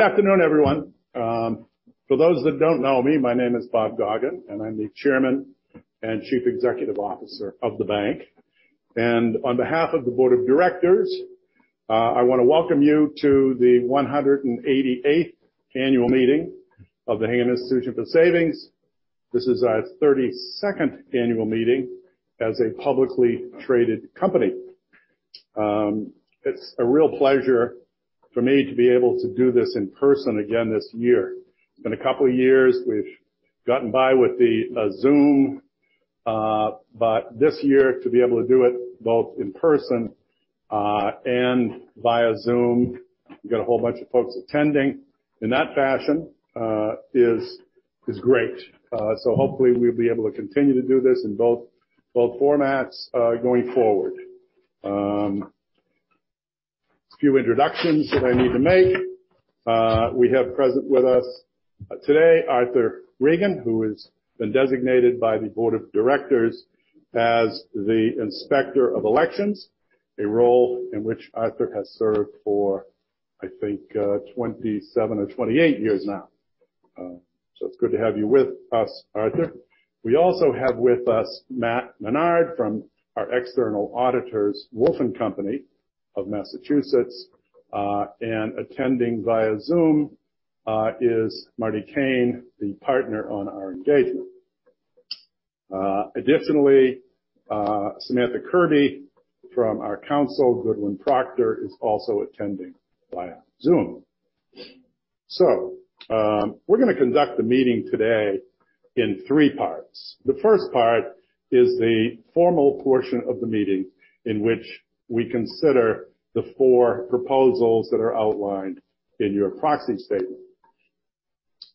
Good afternoon, everyone. For those that don't know me, my name is Bob Gaughen, and I'm the Chairman and Chief Executive Officer of the bank. On behalf of the Board of Directors, I wanna welcome you to the 188th annual meeting of the Hingham Institution for Savings. This is our 32nd annual meeting as a publicly traded company. It's a real pleasure for me to be able to do this in person again this year. It's been a couple of years. We've gotten by with the Zoom. This year, to be able to do it both in person and via Zoom, we've got a whole bunch of folks attending in that fashion is great. Hopefully we'll be able to continue to do this in both formats going forward. Just a few introductions that I need to make. We have present with us today Arthur Reagan, who has been designated by the board of directors as the Inspector of Elections, a role in which Arthur has served for, I think, 27 or 28 years now. It's good to have you with us, Arthur. We also have with us Matt Menard from our external auditors, Wolf & Company of Massachusetts. Attending via Zoom is Marty Caine, the partner on our engagement. Additionally, Samantha Kirby from our counsel, Goodwin Procter, is also attending via Zoom. We're gonna conduct the meeting today in three parts. The first part is the formal portion of the meeting in which we consider the four proposals that are outlined in your proxy statement.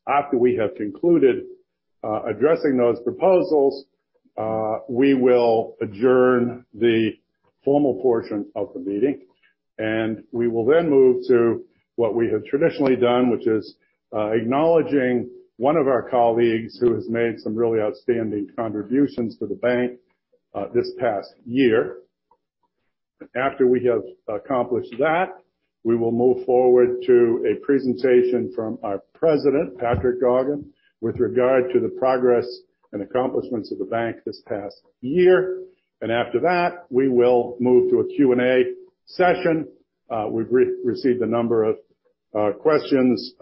After we have concluded addressing those proposals, we will adjourn the formal portion of the meeting, and we will then move to what we have traditionally done, which is acknowledging one of our colleagues who has made some really outstanding contributions to the bank this past year. After we have accomplished that, we will move forward to a presentation from our President, Patrick Gaughen, with regard to the progress and accomplishments of the bank this past year. After that, we will move to a Q&A session. We've received a number of questions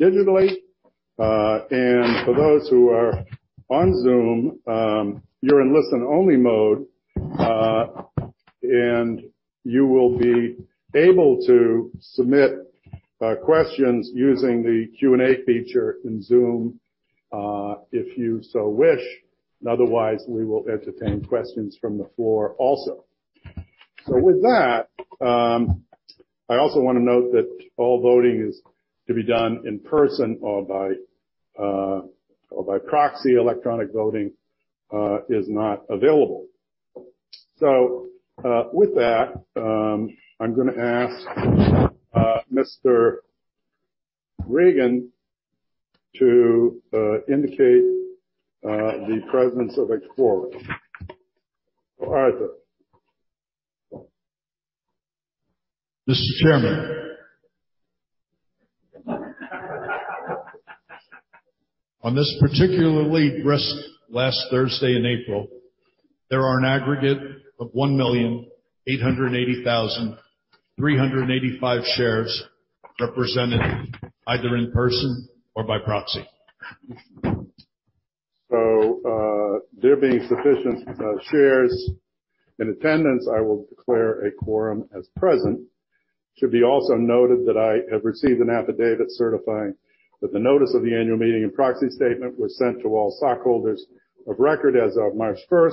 digitally. For those who are on Zoom, you're in listen-only mode, and you will be able to submit questions using the Q&A feature in Zoom, if you so wish. Otherwise, we will entertain questions from the floor also. With that, I also wanna note that all voting is to be done in person or by proxy. Electronic voting is not available. With that, I'm gonna ask Mr. Reagan to indicate the presence of a quorum. Arthur. Mr. Chairman. On this particularly brisk last Thursday in April, there are an aggregate of 1,800,385 shares represented either in person or by proxy. There being sufficient shares in attendance, I will declare a quorum as present. It should also be noted that I have received an affidavit certifying that the notice of the annual meeting and proxy statement was sent to all stockholders of record as of March 1,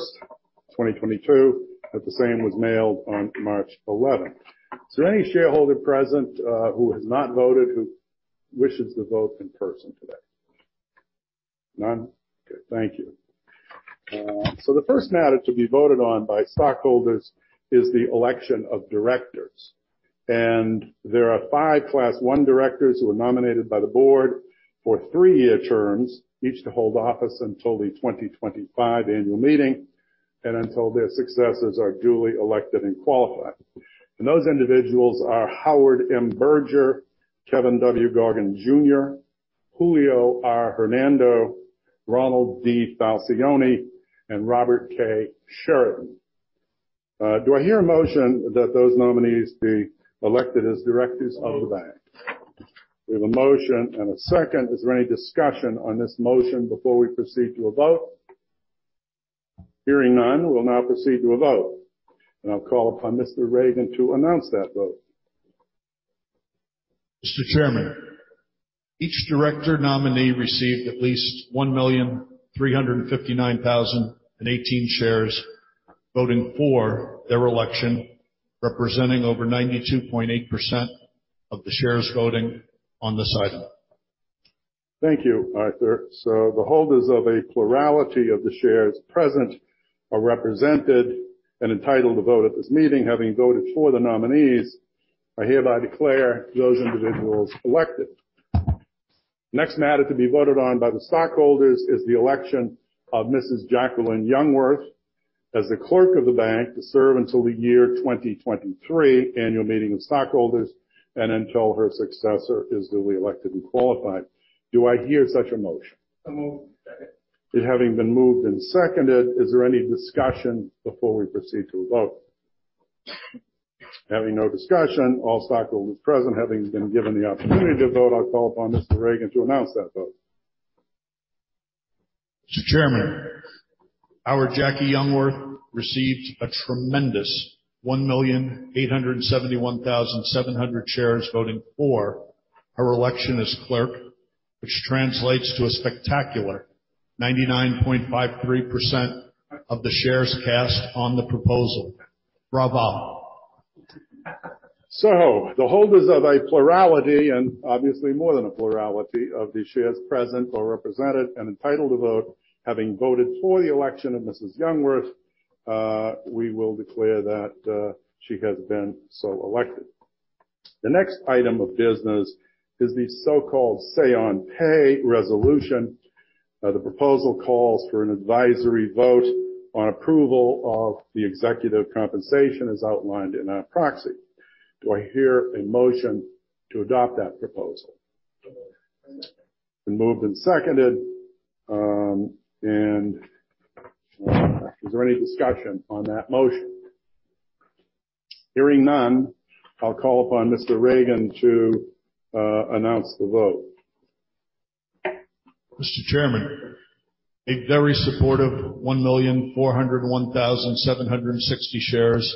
2022, that the same was mailed on March 11. Is there any shareholder present who has not voted, who wishes to vote in person today? None. Okay. Thank you. The first matter to be voted on by stockholders is the election of directors. There are five Class One directors who are nominated by the board for three-year terms, each to hold office until the 2025 annual meeting and until their successors are duly elected and qualified. Those individuals are Howard M. Berger, Kevin W. Gaughen Jr., Julio R. Hernando, Ronald D. Falcione. Falcione, and Robert K. Sheridan. Do I hear a motion that those nominees be elected as directors of the bank? We have a motion and a second. Is there any discussion on this motion before we proceed to a vote? Hearing none, we'll now proceed to a vote, and I'll call upon Mr. Reagan to announce that vote. Mr. Chairman, each director nominee received at least 1,359,018 shares voting for their election, representing over 92.8% of the shares voting on this item. Thank you, Arthur. The holders of a plurality of the shares present are represented and entitled to vote at this meeting. Having voted for the nominees, I hereby declare those individuals elected. Next matter to be voted on by the stockholders is the election of Mrs. Jacqueline M. Youngworth as the clerk of the bank to serve until the year 2023 annual meeting of stockholders and until her successor is duly elected and qualified. Do I hear such a motion? I move. Second. It having been moved and seconded, is there any discussion before we proceed to a vote? Having no discussion, all stockholders present having been given the opportunity to vote, I call upon Mr. Reagan to announce that vote. Mr. Chairman, our Jackie Youngworth received a tremendous 1,871,700 shares voting for her election as clerk, which translates to a spectacular 99.53% of the shares cast on the proposal. Brava. The holders of a plurality, and obviously more than a plurality of the shares present or represented and entitled to vote, having voted for the election of Mrs. Youngworth, we will declare that, she has been so elected. The next item of business is the so-called say-on-pay resolution. The proposal calls for an advisory vote on approval of the executive compensation as outlined in our proxy. Do I hear a motion to adopt that proposal? Moved. Second. Been moved and seconded. Is there any discussion on that motion? Hearing none, I'll call upon Mr. Reagan to announce the vote. Mr. Chairman, a very supportive 1,401,760 shares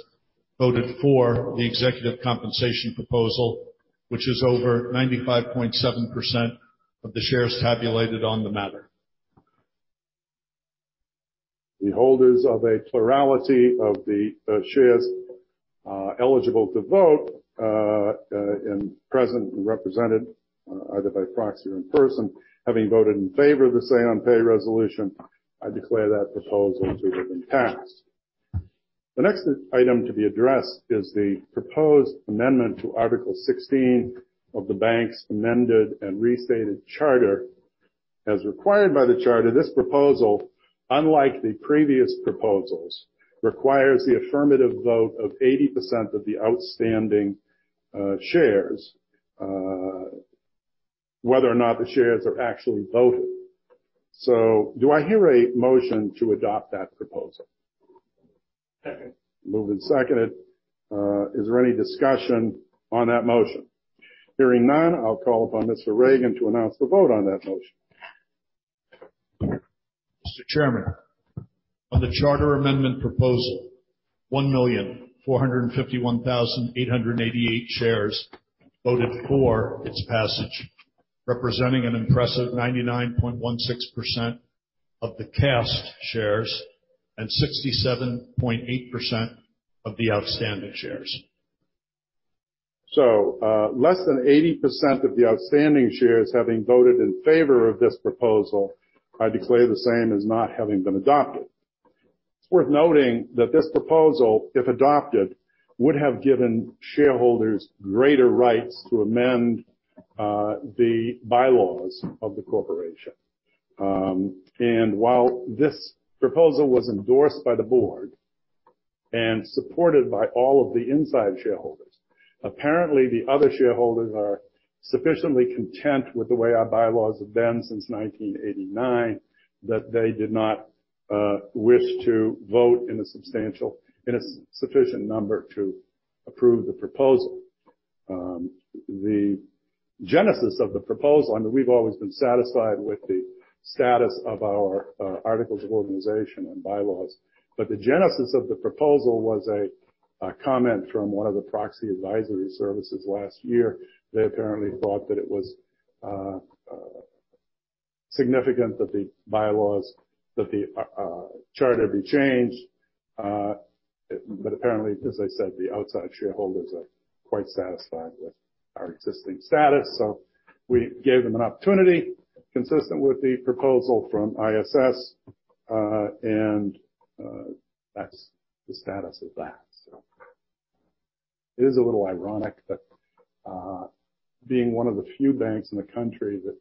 voted for the executive compensation proposal, which is over 95.7% of the shares tabulated on the matter. The holders of a plurality of the shares eligible to vote and present and represented either by proxy or in person, having voted in favor of the say-on-pay resolution, I declare that proposal to have been passed. The next item to be addressed is the proposed amendment to Article Sixteen of the bank's amended and restated charter. As required by the charter, this proposal, unlike the previous proposals, requires the affirmative vote of 80% of the outstanding shares whether or not the shares are actually voted. Do I hear a motion to adopt that proposal? Second. Moved and seconded. Is there any discussion on that motion? Hearing none, I'll call upon Mr. Reagan to announce the vote on that motion. Mr. Chairman, on the charter amendment proposal, 1,451,888 shares voted for its passage, representing an impressive 99.16% of the cast shares and 67.8% of the outstanding shares. Less than 80% of the outstanding shares having voted in favor of this proposal, I declare the same as not having been adopted. It's worth noting that this proposal, if adopted, would have given shareholders greater rights to amend the bylaws of the corporation. While this proposal was endorsed by the board and supported by all of the inside shareholders, apparently the other shareholders are sufficiently content with the way our bylaws have been since 1989 that they did not wish to vote in a sufficient number to approve the proposal. The genesis of the proposal, I mean, we've always been satisfied with the status of our articles of organization and bylaws, but the genesis of the proposal was a comment from one of the proxy advisory services last year. They apparently thought that it was significant that the bylaws, that the charter be changed. Apparently, as I said, the outside shareholders are quite satisfied with our existing status, so we gave them an opportunity consistent with the proposal from ISS, and that's the status of that. It is a little ironic that, being one of the few banks in the country that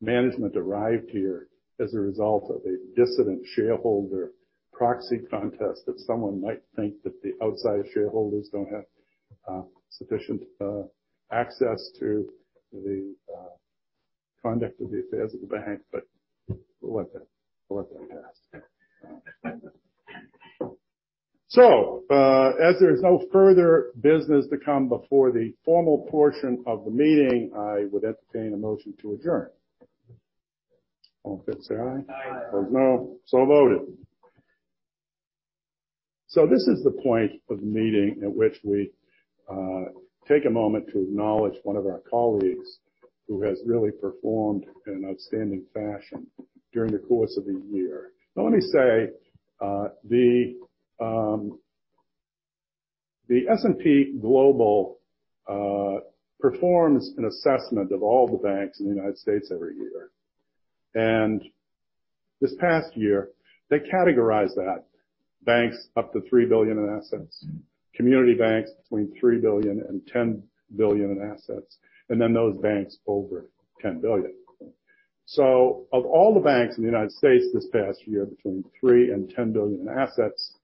management arrived here as a result of a dissident shareholder proxy contest, that someone might think that the outside shareholders don't have sufficient access to the conduct of the affairs of the bank, but we'll let that pass. As there is no further business to come before the formal portion of the meeting, I would entertain a motion to adjourn. All in favor say aye. Aye. Opposed: no. Voted. This is the point of the meeting at which we take a moment to acknowledge one of our colleagues who has really performed in an outstanding fashion during the course of the year. Now let me say, the S&P Global performs an assessment of all the banks in the United States every year. This past year, they categorized the banks up to $3 billion in assets, community banks between $3 billion and $10 billion in assets, and then those banks over $10 billion. Of all the banks in the United States this past year between $3 billion and $10 billion in assets,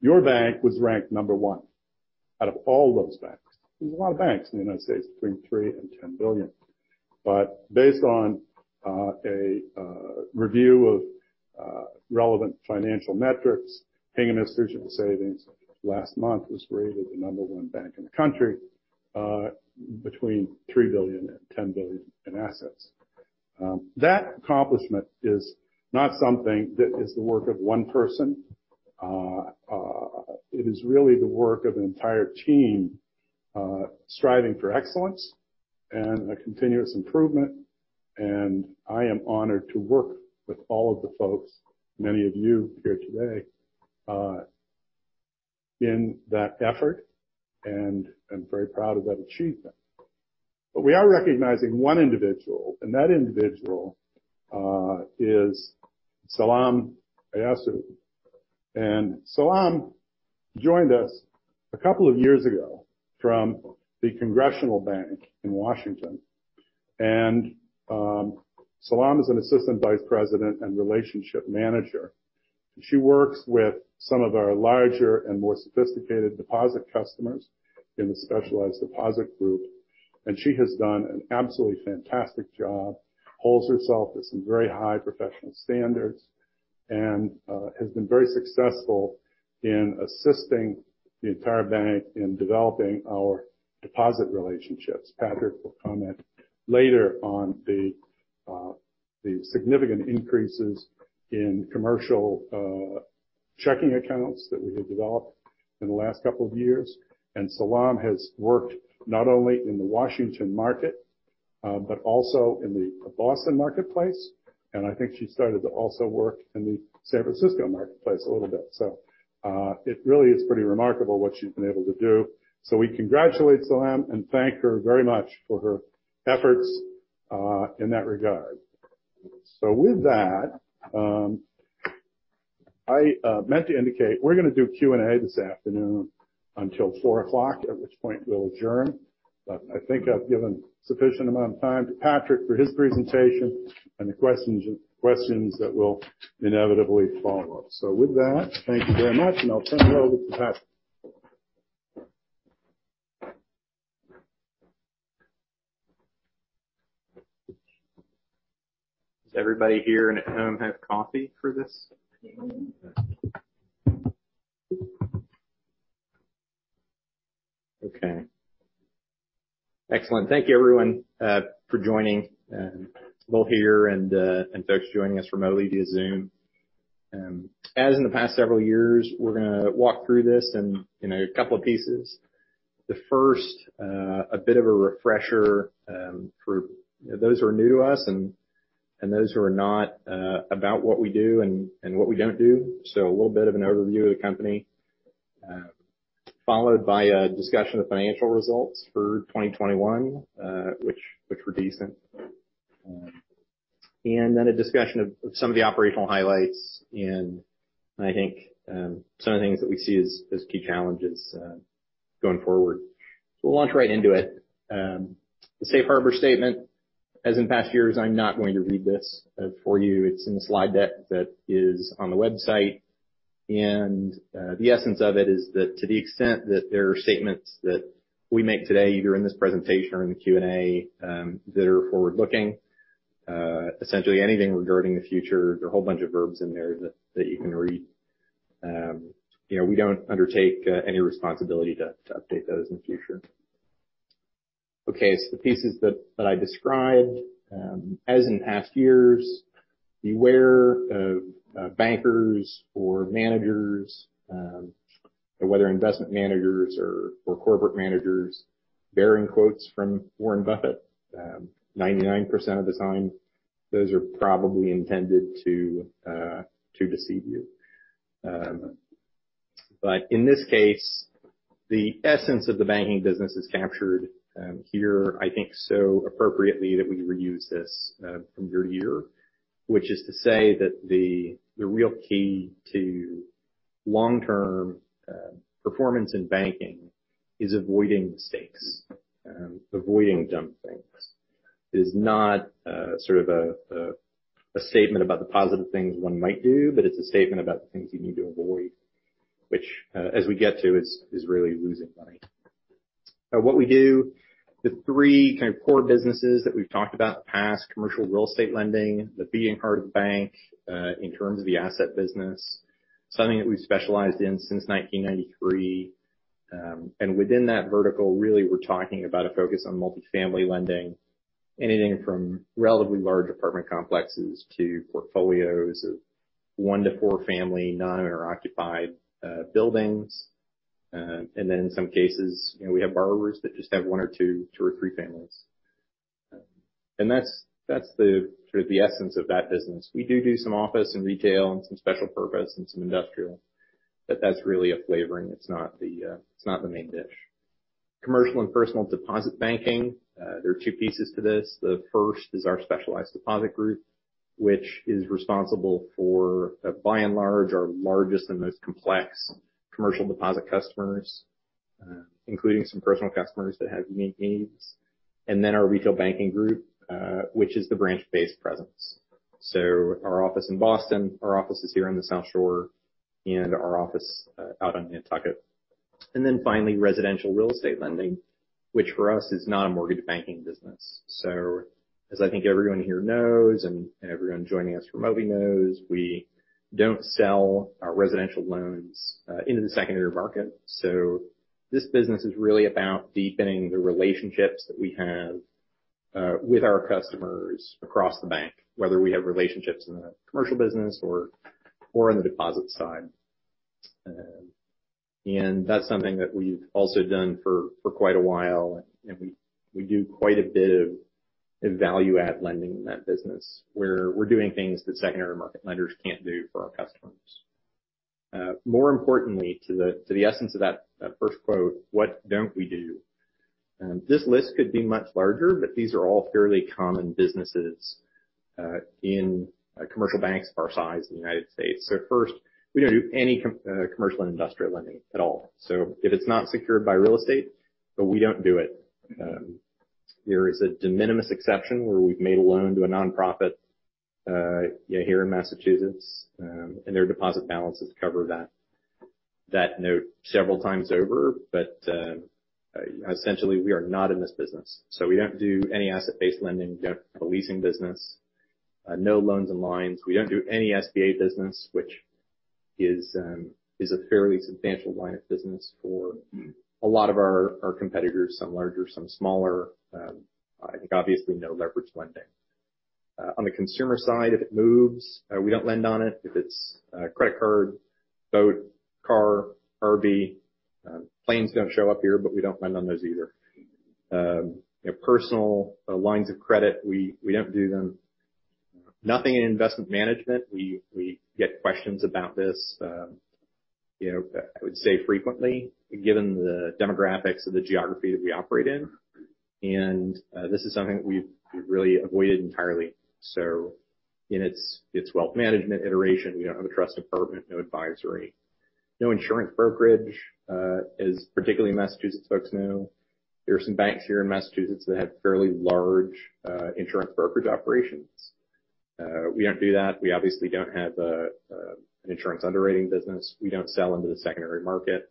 your bank was ranked number one out of all those banks. There's a lot of banks in the United States between $3 billion and $10 billion. Based on a review of relevant financial metrics, Hingham Institution for Savings last month was rated the number one bank in the country, between $3 billion-$10 billion in assets. That accomplishment is not something that is the work of one person. It is really the work of an entire team, striving for excellence and a continuous improvement. I am honored to work with all of the folks, many of you here today, in that effort, and I'm very proud of that achievement. We are recognizing one individual, and that individual is Selam Eyassu. Selam joined us a couple of years ago from the Congressional Bank in Washington. Selam is an assistant vice president and relationship manager. She works with some of our larger and more sophisticated deposit customers in the specialized deposit group, and she has done an absolutely fantastic job, holds herself to some very high professional standards, and has been very successful in assisting the entire bank in developing our deposit relationships. Patrick will comment later on the significant increases in commercial checking accounts that we have developed in the last couple of years. Selam has worked not only in the Washington market, but also in the Boston marketplace. I think she started to also work in the San Francisco marketplace a little bit. It really is pretty remarkable what she's been able to do. We congratulate Selam and thank her very much for her efforts in that regard. With that, I meant to indicate we're gonna do Q&A this afternoon until 4:00 P.M., at which point we'll adjourn. I think I've given sufficient amount of time to Patrick for his presentation and the questions that will inevitably follow up. With that, thank you very much, and I'll turn it over to Patrick. Does everybody here and at home have coffee for this? Okay. Excellent. Thank you everyone for joining both here and folks joining us remotely via Zoom. As in the past several years, we're gonna walk through this in, you know, a couple of pieces. The first, a bit of a refresher for, you know, those who are new to us and those who are not about what we do and what we don't do. A little bit of an overview of the company followed by a discussion of financial results for 2021, which were decent. A discussion of some of the operational highlights and I think some of the things that we see as key challenges going forward. We'll launch right into it. The safe harbor statement, as in past years, I'm not going to read this for you. It's in the slide deck that is on the website. The essence of it is that to the extent that there are statements that we make today, either in this presentation or in the Q&A, that are forward-looking, essentially anything regarding the future, there are a whole bunch of verbs in there that you can read. You know, we don't undertake any responsibility to update those in the future. Okay, the pieces that I described, as in past years, beware of bankers or managers, whether investment managers or corporate managers bearing quotes from Warren Buffett. 99% of the time, those are probably intended to deceive you. In this case, the essence of the banking business is captured here, I think so appropriately that we reuse this from year to year, which is to say that the real key to long-term performance in banking is avoiding mistakes, avoiding dumb things. It is not sort of a statement about the positive things one might do, but it's a statement about the things you need to avoid, which, as we get to, is really losing money. Now what we do, the three kind of core businesses that we've talked about in the past, commercial real estate lending, the beating heart of the bank, in terms of the asset business, something that we've specialized in since 1993. Within that vertical, really we're talking about a focus on multifamily lending, anything from relatively large apartment complexes to portfolios of one to four family non-owner occupied buildings. In some cases, you know, we have borrowers that just have one or two or three families. That's the sort of the essence of that business. We do some office and retail and some special purpose and some industrial, but that's really a flavoring. It's not the main dish. Commercial and personal deposit banking. There are two pieces to this. The first is our Specialized Deposit Group, which is responsible for, by and large, our largest and most complex commercial deposit customers, including some personal customers that have unique needs. Then our Retail Banking Group, which is the branch-based presence. Our office in Boston, our offices here on the South Shore, and our office out on Nantucket. Finally, residential real estate lending, which for us is not a mortgage banking business. As I think everyone here knows and everyone joining us remotely knows, we don't sell our residential loans into the secondary market. This business is really about deepening the relationships that we have with our customers across the bank, whether we have relationships in the commercial business or in the deposit side. That's something that we've also done for quite a while, and we do quite a bit of value add lending in that business, where we're doing things that secondary market lenders can't do for our customers. More importantly, to the essence of that first quote, "What don't we do?" This list could be much larger, but these are all fairly common businesses in commercial banks of our size in the United States. First, we don't do any commercial and industrial lending at all. If it's not secured by real estate, then we don't do it. There is a de minimis exception where we've made a loan to a nonprofit here in Massachusetts, and their deposit balances cover that note several times over. Essentially, we are not in this business. We don't do any asset-based lending, we don't have a leasing business, no loans and lines. We don't do any SBA business, which is a fairly substantial line of business for a lot of our competitors, some larger, some smaller. I think obviously no leveraged lending. On the consumer side, if it moves, we don't lend on it. If it's a credit card, boat, car, RV. Planes don't show up here, but we don't lend on those either. Personal lines of credit, we don't do them. Nothing in investment management. We get questions about this, you know, I would say frequently, given the demographics of the geography that we operate in. This is something that we've really avoided entirely. In its wealth management iteration, we don't have a trust department, no advisory. No insurance brokerage, as particularly Massachusetts folks know, there are some banks here in Massachusetts that have fairly large insurance brokerage operations. We don't do that. We obviously don't have an insurance underwriting business. We don't sell into the secondary market.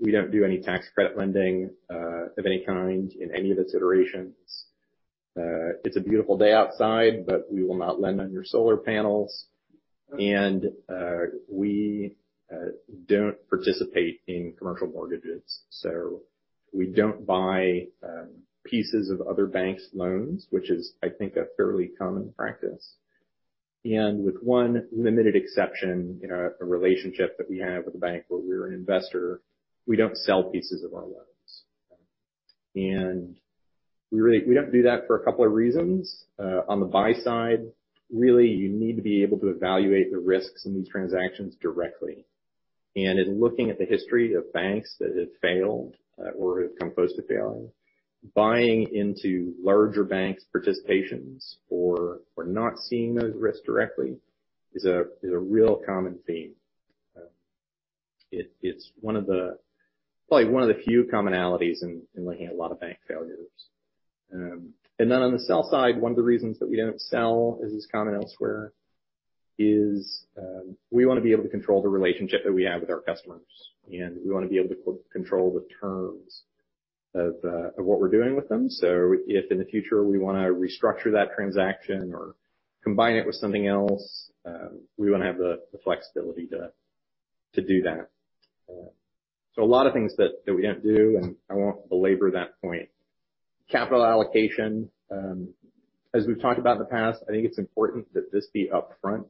We don't do any tax credit lending of any kind in any of its iterations. It's a beautiful day outside, but we will not lend on your solar panels. We don't participate in commercial mortgages. We don't buy pieces of other banks' loans, which is, I think, a fairly common practice. With one limited exception, in a relationship that we have with a bank where we're an investor, we don't sell pieces of our loans. We don't do that for a couple of reasons. On the buy side, really, you need to be able to evaluate the risks in these transactions directly. In looking at the history of banks that have failed or have come close to failing, buying into larger banks' participations or not seeing those risks directly is a real common theme. It's one of the few commonalities in looking at a lot of bank failures. Then on the sell side, one of the reasons that we don't sell, as is common elsewhere, is we wanna be able to control the relationship that we have with our customers, and we wanna be able to control the terms of what we're doing with them. If in the future we wanna restructure that transaction or combine it with something else, we wanna have the flexibility to do that. A lot of things that we don't do, and I won't belabor that point. Capital allocation. As we've talked about in the past, I think it's important that this be upfront.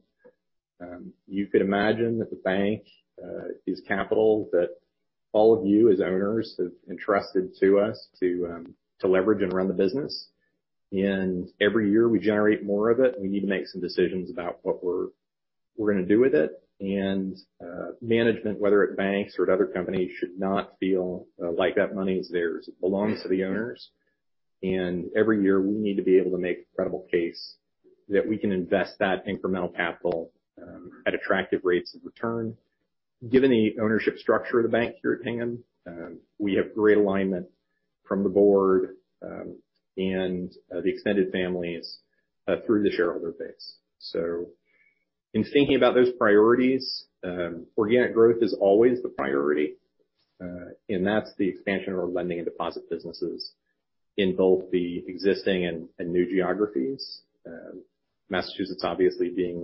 You could imagine that the bank's capital that all of you as owners have entrusted to us to leverage and run the business. Every year, we generate more of it, and we need to make some decisions about what we're gonna do with it. Management, whether at banks or at other companies, should not feel like that money is theirs. It belongs to the owners. Every year, we need to be able to make a credible case that we can invest that incremental capital at attractive rates of return. Given the ownership structure of the bank here at Hingham, we have great alignment from the board and the extended families through the shareholder base. In thinking about those priorities, organic growth is always the priority, and that's the expansion of our lending and deposit businesses in both the existing and new geographies. Massachusetts obviously being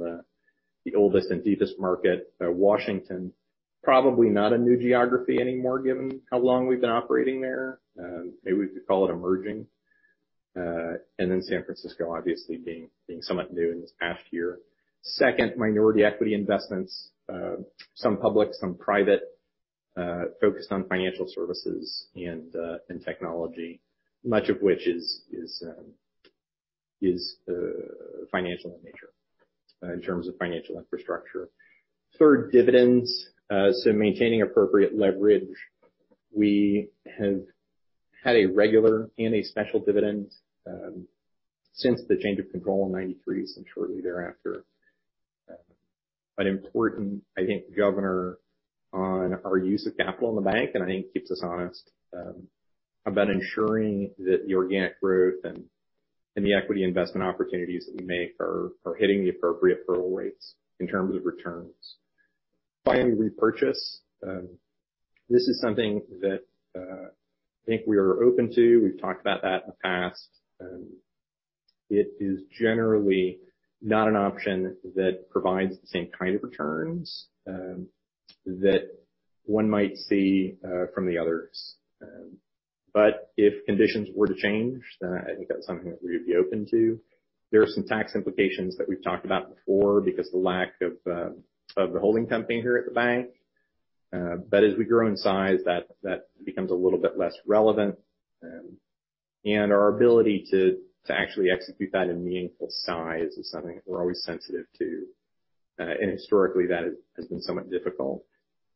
the oldest and deepest market. Washington, probably not a new geography anymore given how long we've been operating there. Maybe we could call it emerging. And then San Francisco obviously being somewhat new in this past year. Second, minority equity investments, some public, some private, focused on financial services and technology, much of which is financial in nature, in terms of financial infrastructure. Third, dividends, so maintaining appropriate leverage. We have had a regular and a special dividend since the change of control in 1993, since shortly thereafter. An important, I think, governor on our use of capital in the bank, and I think keeps us honest about ensuring that the organic growth and the equity investment opportunities that we make are hitting the appropriate hurdle rates in terms of returns. Finally, repurchase. This is something that I think we are open to. We've talked about that in the past. It is generally not an option that provides the same kind of returns that one might see from the others. If conditions were to change, then I think that's something that we would be open to. There are some tax implications that we've talked about before because the lack of a holding company here at the bank. As we grow in size, that becomes a little bit less relevant. Our ability to actually execute that in meaningful size is something that we're always sensitive to. Historically, that has been somewhat difficult.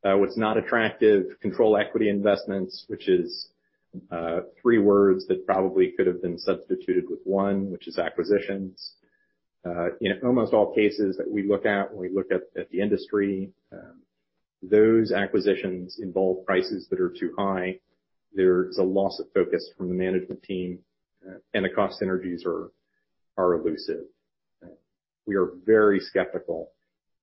What's not attractive, control equity investments, which is three words that probably could have been substituted with one, which is acquisitions. In almost all cases that we look at, when we look at the industry, those acquisitions involve prices that are too high. There's a loss of focus from the management team, and the cost synergies are elusive. We are very skeptical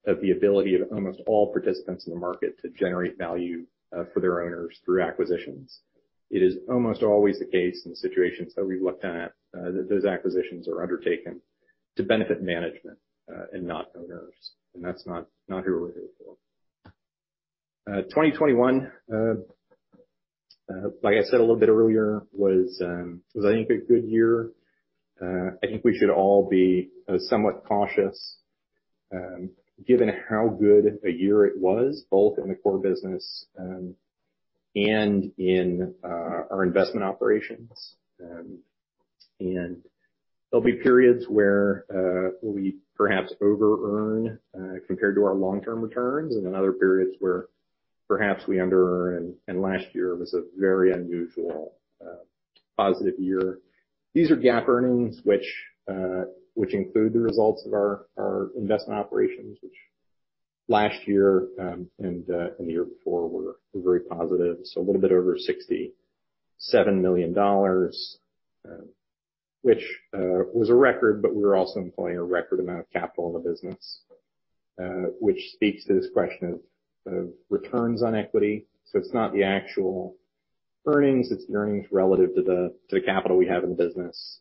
of the ability of almost all participants in the market to generate value for their owners through acquisitions. It is almost always the case in the situations that we've looked at that those acquisitions are undertaken to benefit management and not owners. That's not who we're here for. 2021, like I said a little bit earlier, was I think a good year. I think we should all be somewhat cautious, given how good a year it was, both in the core business and in our investment operations. There'll be periods where we perhaps over earn compared to our long-term returns, and then other periods where perhaps we under earn. Last year was a very unusual positive year. These are GAAP earnings which include the results of our investment operations, which last year and the year before were very positive. A little bit over $67 million, which was a record, but we were also employing a record amount of capital in the business, which speaks to this question of returns on equity. It's not the actual earnings, it's the earnings relative to the capital we have in the business.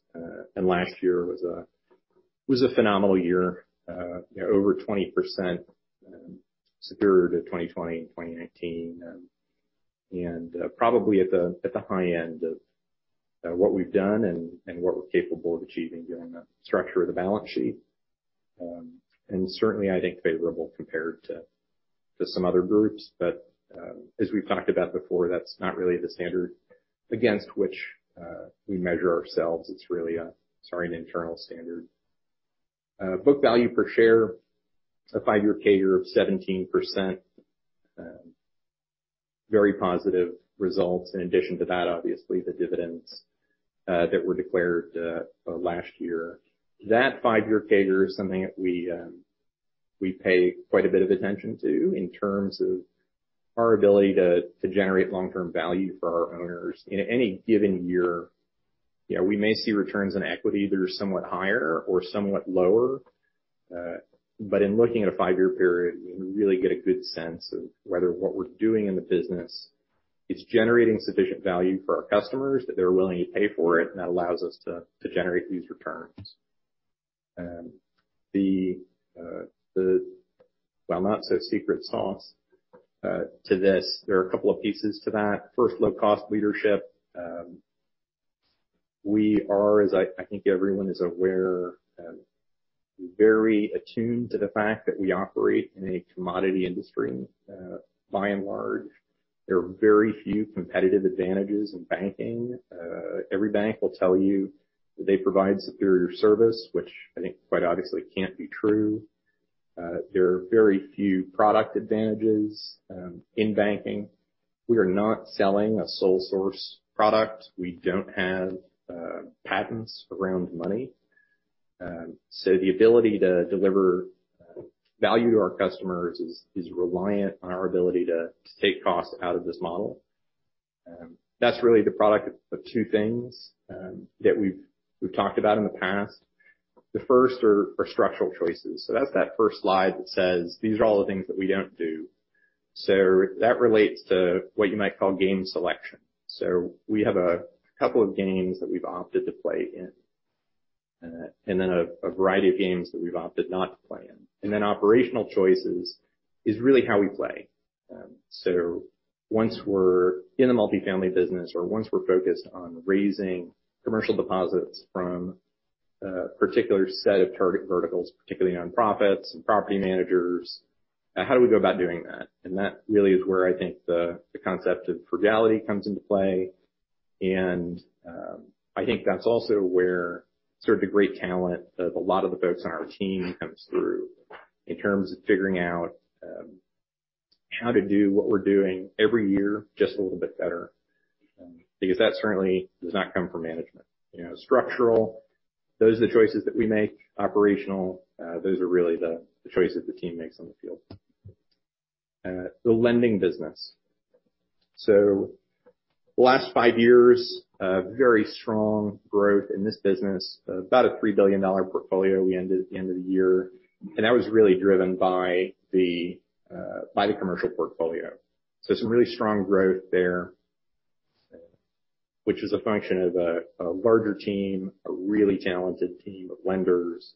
Last year was a phenomenal year. You know, over 20%, superior to 2020 and 2019. Probably at the high end of what we've done and what we're capable of achieving given the structure of the balance sheet. Certainly, I think favorable compared to some other groups. As we've talked about before, that's not really the standard against which we measure ourselves. It's really sort of an internal standard. Book value per share, a five-year CAGR of 17%. Very positive results. In addition to that, obviously, the dividends that were declared last year. That five-year CAGR is something that we pay quite a bit of attention to in terms of our ability to generate long-term value for our owners. In any given year, you know, we may see returns on equity that are somewhat higher or somewhat lower. In looking at a five-year period, you really get a good sense of whether what we're doing in the business is generating sufficient value for our customers, that they're willing to pay for it, and that allows us to generate these returns. The not so secret sauce to this, there are a couple of pieces to that. First, low-cost leadership. We are, as I think everyone is aware, very attuned to the fact that we operate in a commodity industry. By and large, there are very few competitive advantages in banking. Every bank will tell you that they provide superior service, which I think quite obviously can't be true. There are very few product advantages in banking. We are not selling a sole source product. We don't have patents around money. The ability to deliver value to our customers is reliant on our ability to take costs out of this model. That's really the product of two things that we've talked about in the past. The first are structural choices. That's that first slide that says, "These are all the things that we don't do." That relates to what you might call game selection. We have a couple of games that we've opted to play in, and then a variety of games that we've opted not to play in. Operational choices is really how we play. Once we're in the multifamily business or once we're focused on raising commercial deposits from a particular set of target verticals, particularly nonprofits and property managers, how do we go about doing that? That really is where I think the concept of frugality comes into play. I think that's also where sort of the great talent of a lot of the folks on our team comes through in terms of figuring out how to do what we're doing every year just a little bit better, because that certainly does not come from management. You know, structural, those are the choices that we make. Operational, those are really the choices the team makes on the field. The lending business. The last five years, very strong growth in this business, about a $3 billion portfolio we ended at the end of the year, and that was really driven by the commercial portfolio. Some really strong growth there, which is a function of a larger team, a really talented team of lenders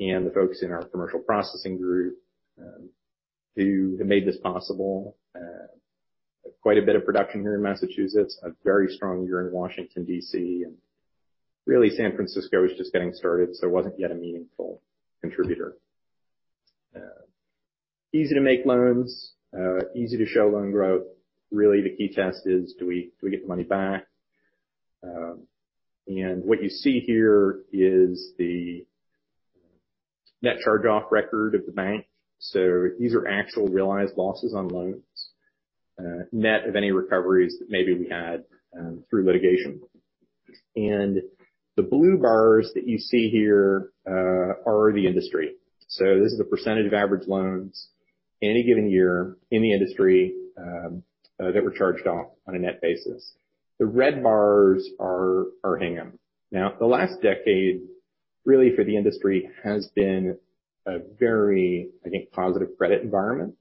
and the folks in our commercial processing group, who have made this possible. Quite a bit of production here in Massachusetts, a very strong year in Washington, D.C., and really San Francisco is just getting started, so it wasn't yet a meaningful contributor. Easy to make loans, easy to show loan growth. Really the key test is do we get the money back? What you see here is the net charge-off record of the bank. These are actual realized losses on loans, net of any recoveries that maybe we had, through litigation. The blue bars that you see here are the industry. This is the percentage of average loans any given year in the industry, that were charged off on a net basis. The red bars are Hingham. The last decade really for the industry has been a very, I think, positive credit environment.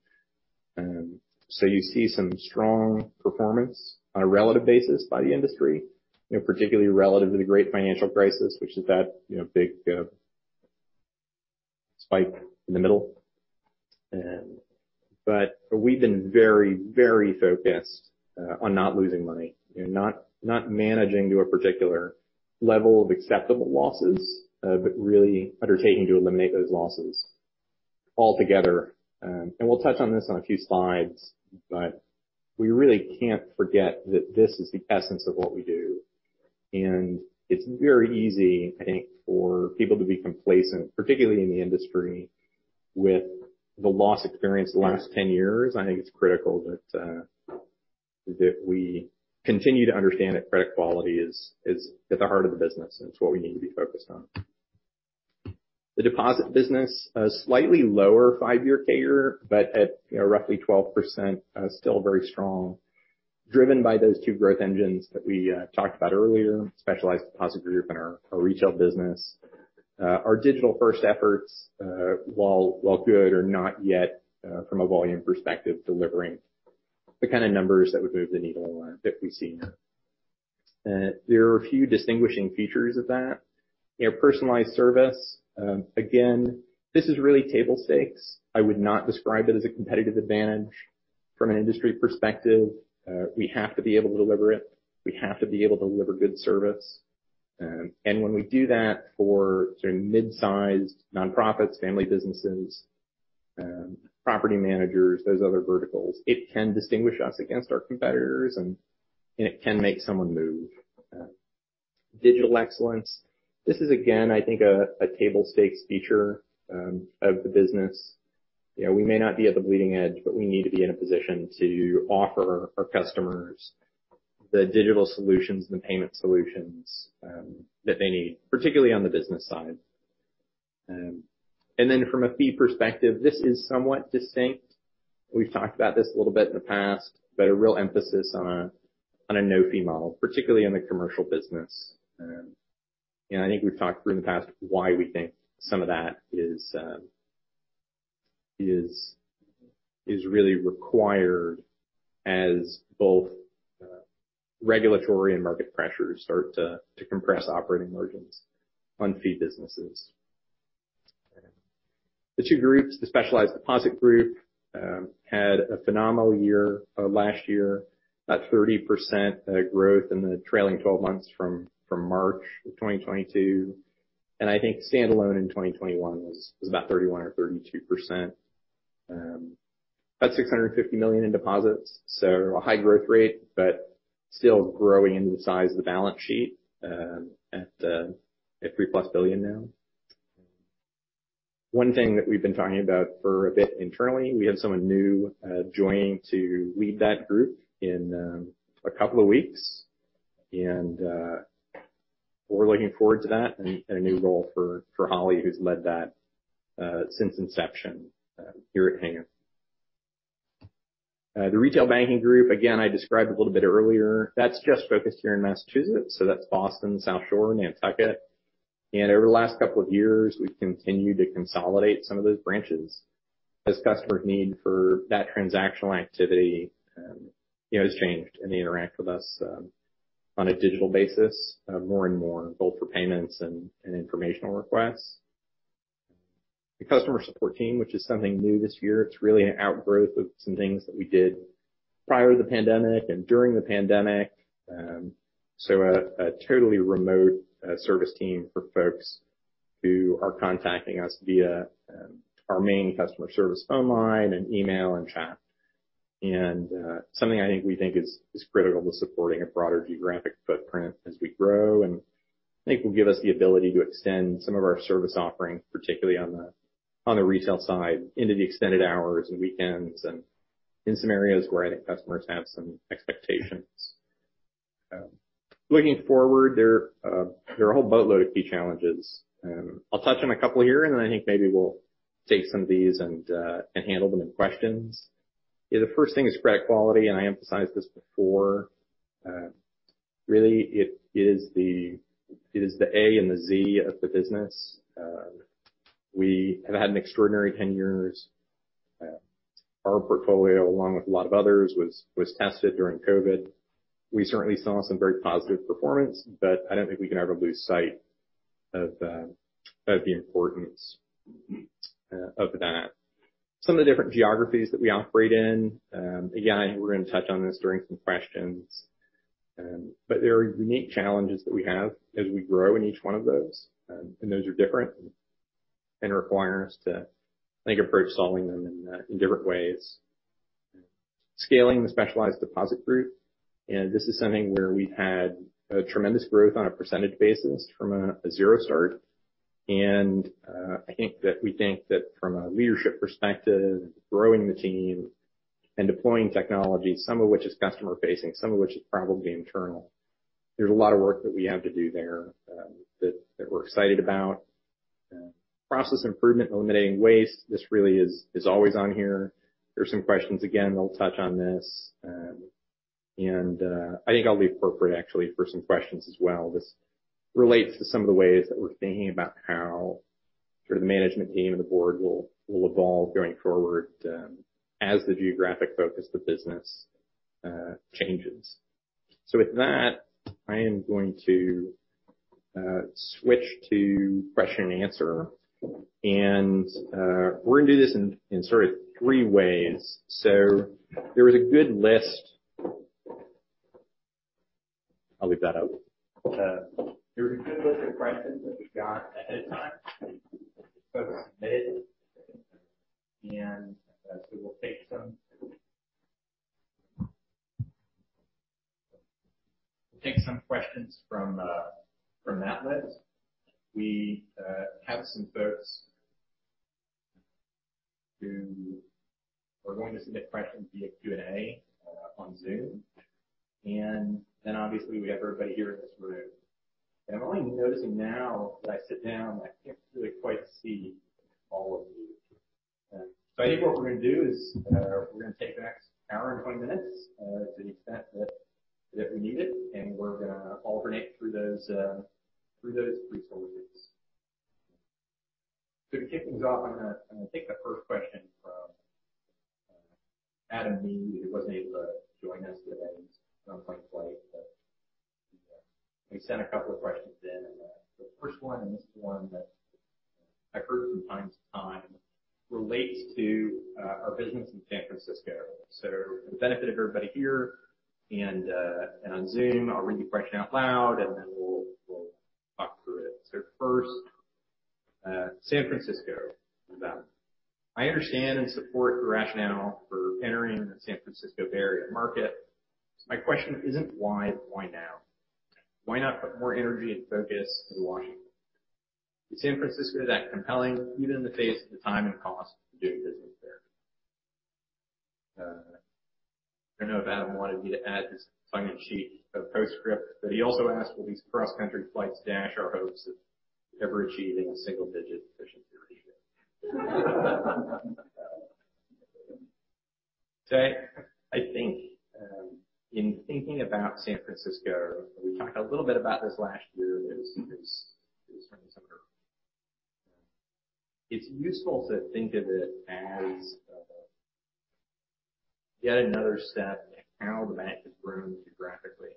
You see some strong performance on a relative basis by the industry, you know, particularly relative to the great financial crisis, which is that, you know, big spike in the middle. We've been very, very focused on not losing money. You know, not managing to a particular level of acceptable losses, but really undertaking to eliminate those losses altogether. We'll touch on this on a few slides, but we really can't forget that this is the essence of what we do. It's very easy, I think, for people to be complacent, particularly in the industry with the loss experience the last 10 years. I think it's critical that we continue to understand that credit quality is at the heart of the business, and it's what we need to be focused on. The deposit business, a slightly lower five-year CAGR but at, you know, roughly 12%, still very strong, driven by those two growth engines that we talked about earlier, specialized deposit group and our retail business. Our digital-first efforts, while good, are not yet, from a volume perspective, delivering the kind of numbers that would move the needle on that we've seen. There are a few distinguishing features of that. You know, personalized service, again, this is really table stakes. I would not describe it as a competitive advantage from an industry perspective. We have to be able to deliver it. We have to be able to deliver good service. When we do that for certain mid-sized nonprofits, family businesses, property managers, those other verticals, it can distinguish us against our competitors, and it can make someone move. Digital excellence. This is again, I think, a table stakes feature of the business. You know, we may not be at the bleeding edge, but we need to be in a position to offer our customers the digital solutions and the payment solutions that they need, particularly on the business side. Then from a fee perspective, this is somewhat distinct. We've talked about this a little bit in the past, but a real emphasis on a no-fee model, particularly in the commercial business. I think we've talked through in the past why we think some of that is really required as both regulatory and market pressures start to compress operating margins on fee businesses. The two groups, the Specialized Deposit Group, had a phenomenal year last year. About 30% growth in the trailing twelve months from March 2022. I think standalone in 2021 was about 31% or 32%. About $650 million in deposits, so a high growth rate, but still growing into the size of the balance sheet at $+3 billion now. One thing that we've been talking about for a bit internally, we have someone new joining to lead that group in a couple of weeks, and we're looking forward to that and a new role for Holly, who's led that since inception here at Hingham. The retail banking group, again, I described a little bit earlier, that's just focused here in Massachusetts, so that's Boston, South Shore, Nantucket. Over the last couple of years, we've continued to consolidate some of those branches as customers' need for that transactional activity, you know, has changed, and they interact with us on a digital basis more and more, both for payments and informational requests. The customer support team, which is something new this year, it's really an outgrowth of some things that we did prior to the pandemic and during the pandemic. A totally remote service team for folks who are contacting us via our main customer service phone line and email and chat. Something I think we think is critical to supporting a broader geographic footprint as we grow, and I think will give us the ability to extend some of our service offerings, particularly on the retail side into the extended hours and weekends and in some areas where I think customers have some expectations. Looking forward, there are a whole boatload of key challenges. I'll touch on a couple here, and then I think maybe we'll take some of these and handle them in questions. Yeah, the first thing is credit quality, and I emphasized this before. Really it is the A and the Z of the business. We have had an extraordinary 10 years. Our portfolio, along with a lot of others, was tested during COVID. We certainly saw some very positive performance, but I don't think we can ever lose sight of the importance of that. Some of the different geographies that we operate in. Again, I think we're gonna touch on this during some questions. There are unique challenges that we have as we grow in each one of those. Those are different and require us to, I think, approach solving them in different ways. Scaling the specialized deposit group, and this is something where we've had a tremendous growth on a percentage basis from a zero start. I think that we think that from a leadership perspective, growing the team and deploying technology, some of which is customer facing, some of which is probably internal. There's a lot of work that we have to do there, that we're excited about. Process improvement and eliminating waste, this really is always on here. There are some questions. Again, we'll touch on this. I think it'll be appropriate actually for some questions as well. This relates to some of the ways that we're thinking about how sort of the management team and the board will evolve going forward, as the geographic focus of the business changes. With that, I am going to switch to question-and-answer. We're gonna do this in sort of three ways. There was a good list. I'll leave that out. There was a good list of questions that we got ahead of time that folks submitted, so we'll take some questions from that list. We have some folks who are going to submit questions via Q&A on Zoom. Then obviously, we have everybody here in this room. I'm only noticing now that I sit down, I can't really quite see all of you. I think what we're gonna do is we're gonna take the next hour and 20 minutes to the extent that we need it, and we're gonna alternate through those resources. To kick things off, I'm gonna take the first question from Adam Mead, who wasn't able to join us today. He's on a plane flight. He sent a couple of questions in. The first one, and this is one that I've heard from time to time, relates to our business in San Francisco. For the benefit of everybody here and on Zoom, I'll read the question out loud, and then we'll talk through it. First, San Francisco. I understand and support the rationale for entering the San Francisco Bay Area market. My question isn't why, but why now? Why not put more energy and focus in Washington? Is San Francisco that compelling even in the face of the time and cost of doing business there? I don't know if Adam wanted me to add his tongue in cheek postscript, but he also asked, will these cross-country flights dash our hopes of ever achieving a single-digit efficiency ratio? I think in thinking about San Francisco, we talked a little bit about this last year. It was from the summer. It's useful to think of it as yet another step in how the bank has grown geographically,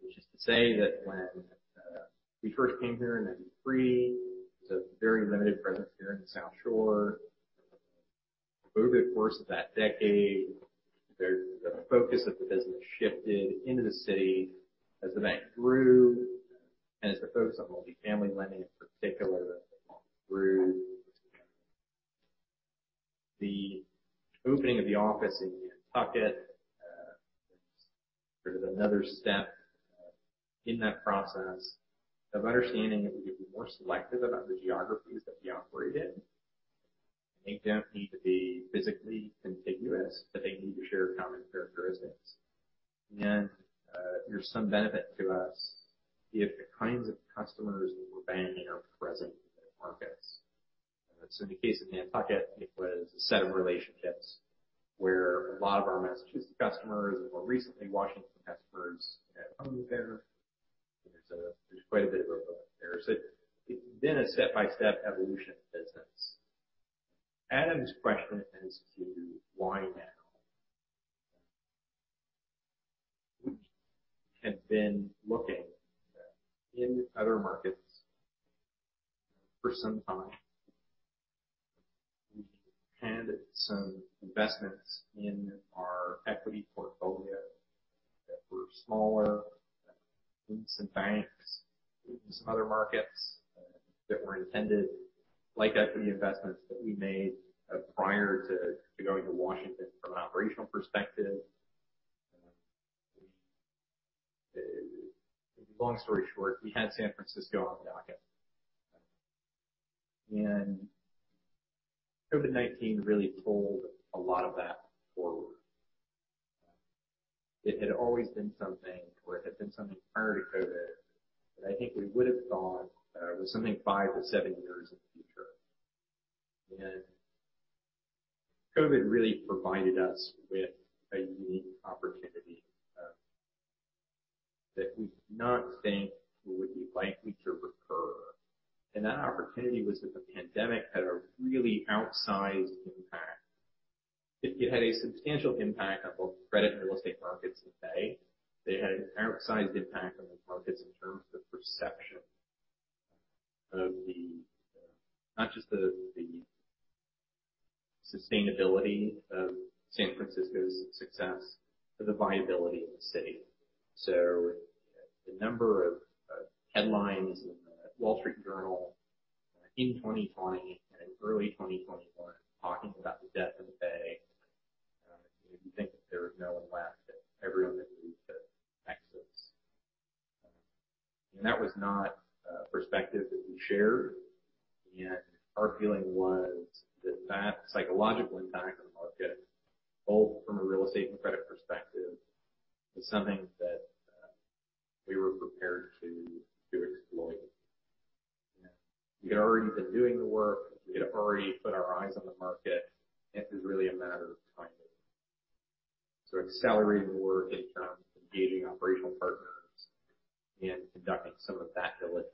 which is to say that when we first came here in 1993, there was a very limited presence here in the South Shore. Over the course of that decade, the focus of the business shifted into the city as the bank grew and as the focus on multifamily lending in particular grew. The opening of the office in Nantucket was sort of another step in that process of understanding that we need to be more selective about the geographies that we operate in. They don't need to be physically contiguous, but they need to share common characteristics. There's some benefit to us if the kinds of customers we're banking are present in the markets. In the case of Nantucket, it was a set of relationships where a lot of our Massachusetts customers and more recently Washington customers had homes there. There's quite a bit of overlap there. It's been a step-by-step evolution of the business. Adam's question is as to why now? Have been looking in other markets for some time. We've had some investments in our equity portfolio that were smaller than some banks in some other markets that were intended, like equity investments that we made, prior to going to Washington from an operational perspective. Long story short, we had San Francisco on the docket. COVID-19 really pulled a lot of that forward. It had always been something where it had been something prior to COVID that I think we would have thought was something five to seven years in the future. COVID really provided us with a unique opportunity that we do not think would be likely to recur. That opportunity was that the pandemic had a really outsized impact. It had a substantial impact on both credit and real estate markets in Bay. It had an outsized impact on the markets in terms of perception of not just the sustainability of San Francisco's success, but the viability of the city. The number of headlines in The Wall Street Journal in 2020 and in early 2021 talking about the death of the Bay. You'd think that there was no one left, that everyone had moved to Texas. That was not a perspective that we shared. Our feeling was that that psychological impact on the market, both from a real estate and credit perspective, was something that we were prepared to exploit. We had already been doing the work. We had already put our eyes on the market. It was really a matter of timing. Accelerating the work in terms of engaging operational partners and conducting some of that diligence.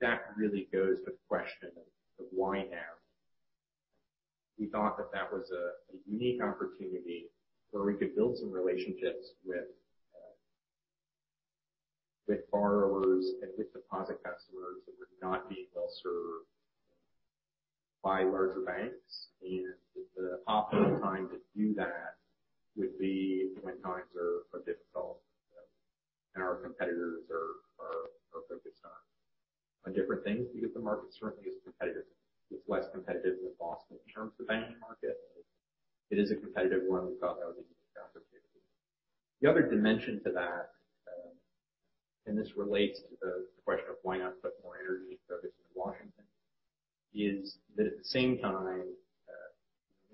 That really goes to the question of why now? We thought that was a unique opportunity where we could build some relationships with borrowers and with deposit customers that would not be well-served by larger banks. That the optimal time to do that would be when times are difficult and our competitors are focused on different things, because the market certainly is competitive. It's less competitive than Boston in terms of banking market. It is a competitive one. We thought that was a unique opportunity. The other dimension to that, and this relates to the question of why not put more energy and focus in Washington, is that at the same time,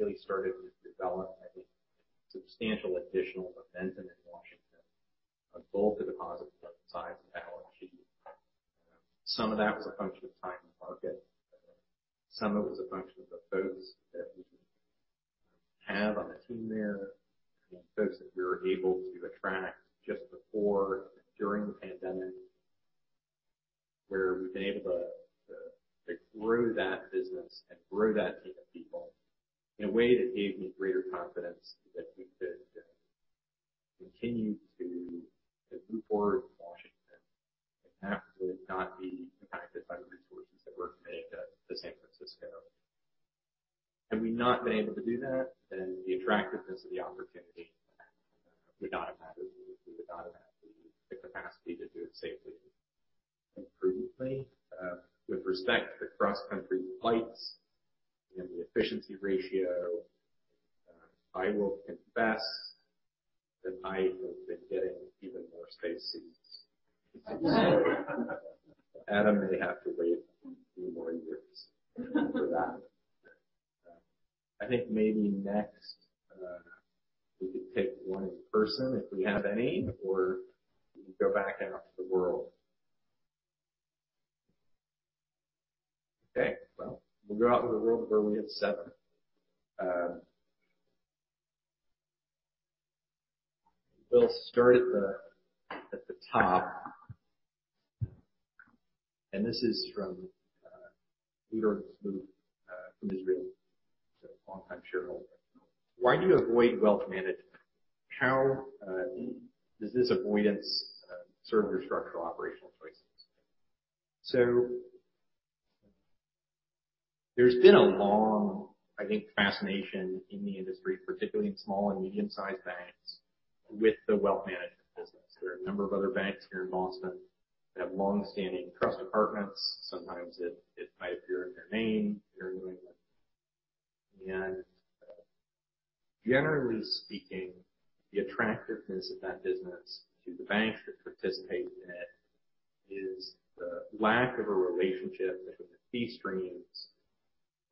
really started to develop, I think, substantial additional momentum in Washington, both the deposit size and balance sheet. Some of that was a function of timing the market. Some of it was a function of the folks that we have on the team there, and folks that we were able to attract just before and during the pandemic, where we've been able to grow that business and grow that team of people in a way that gave me greater confidence that we could continue to move forward in Washington. That would not be impacted by the resources that were committed to San Francisco. Had we not been able to do that, then the attractiveness of the opportunity would not have mattered, and we would not have had the capacity to do it safely and prudently. With respect to cross-country flights and the efficiency ratio, I will confess that I have been getting even more spacious seats. Adam may have to wait a few more years for that. I think maybe next, we could take one in person if we have any, or we can go back out to the world. Okay, well, we'll go out to the world where we had seven. We'll start at the top. This is from Peter Smoot from Israel, so longtime shareholder. Why do you avoid wealth management? How does this avoidance serve your structural operational choices? There's been a long, I think, fascination in the industry, particularly in small and medium-sized banks, with the wealth management business. There are a number of other banks here in Boston that have long-standing trust departments. Sometimes it might appear in their name. They're doing it. Generally speaking, the attractiveness of that business to the banks that participate in it is the lack of a relationship between the fee streams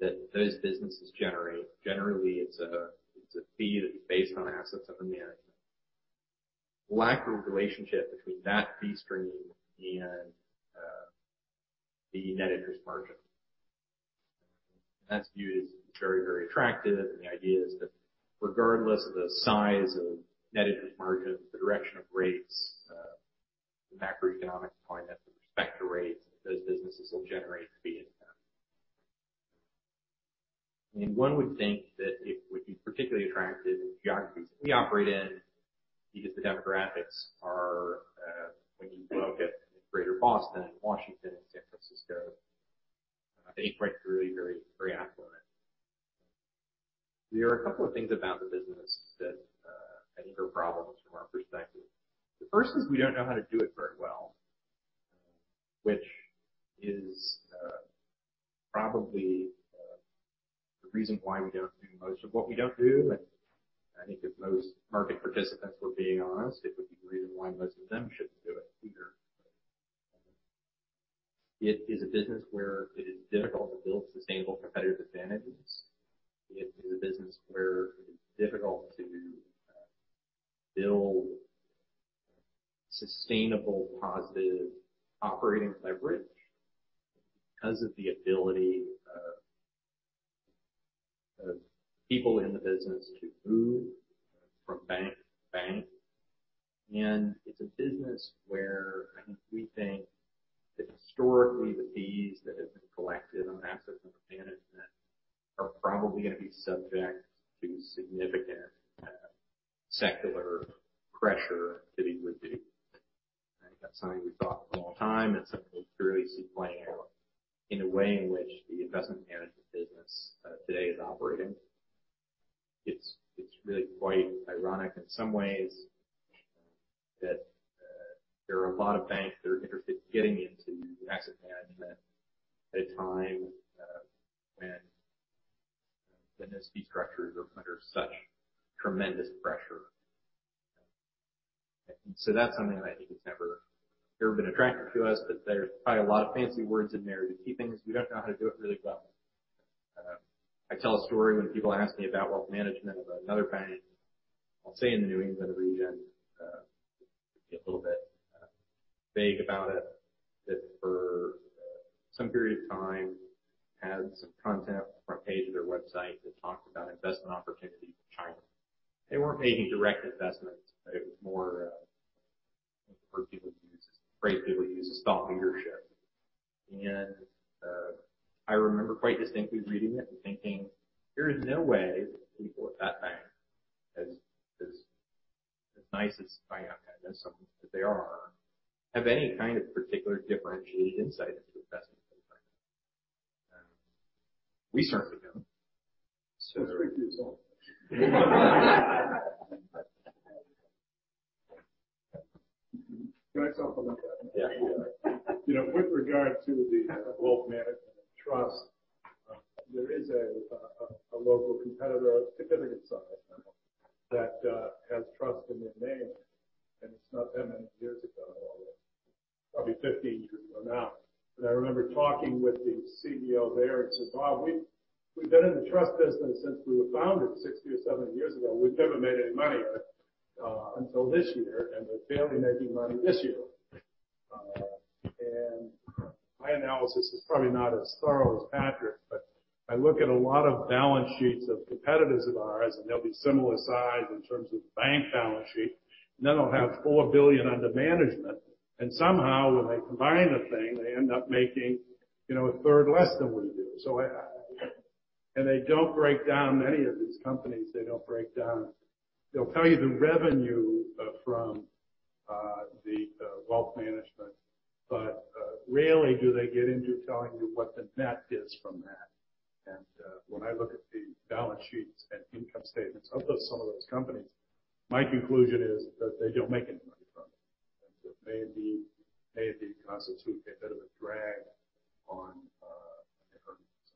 that those businesses generate. Generally, it's a fee that's based on assets under management. Lack of relationship between that fee stream and the net interest margin. That's viewed as very, very attractive. The idea is that regardless of the size of net interest margins, the direction of rates, the macroeconomic environment with respect to rates, those businesses will generate fee income. One would think that it would be particularly attractive in geographies that we operate in because the demographics are, when you look at Greater Boston, Washington, San Francisco, they're quite wealthy, very, very affluent. There are a couple of things about the business that I think are problems from our perspective. The first is we don't know how to do it very well, which is probably the reason why we don't do most of what we don't do. I think if most market participants were being honest, it would be the reason why most of them shouldn't do it either. It is a business where it is difficult to build sustainable competitive advantages. It is a business where it's difficult to build sustainable positive operating leverage because of the ability of people in the business to move from bank to bank. It's a business where I think we think that historically the fees that have been collected on assets under management are probably gonna be subject to significant secularpressure to be reduced. I think that's something we thought all the time, and something we really see playing out in a way in which the investment management business, today is operating. It's, it's really quite ironic in some ways that, there are a lot of banks that are interested in getting into asset management at a time, when the fee structures are under such tremendous pressure. That's something that I think has never, ever been attractive to us, but there's probably a lot of fancy words in there. The key thing is we don't know how to do it really well. I tell a story when people ask me about wealth management of another bank. I'll say in the New England region, be a little bit vague about it, that for some period of time had some content on the front page of their website that talked about investment opportunities in China. They weren't making direct investments, but it was more the phrase people use, thought leadership. I remember quite distinctly reading it and thinking, "There is no way people at that bank, as nice as I know some of them are, have any kind of particular differentiated insight into investing in China." We certainly don't. It's reviews on. Can I supplement that? Yeah. You know, with regard to the wealth management trust, there is a local competitor of significant size now that has trust in their name, and it's not that many years ago now. Probably 15 years ago now. I remember talking with the CEO there and said, "Bob, we've been in the trust business since we were founded 60 or 70 years ago. We've never made any money on it until this year, and we're barely making money this year." My analysis is probably not as thorough as Patrick, but I look at a lot of balance sheets of competitors of ours, and they'll be similar size in terms of bank balance sheet, and then they'll have $4 billion under management. Somehow, when they combine the thing, they end up making, you know, a third less than we do. They don't break down many of these companies. They'll tell you the revenue from the wealth management, but rarely do they get into telling you what the net is from that. When I look at the balance sheets and income statements of those, some of those companies, my conclusion is that they don't make any money from it. It may be, may indeed constitute a bit of a drag on their earnings.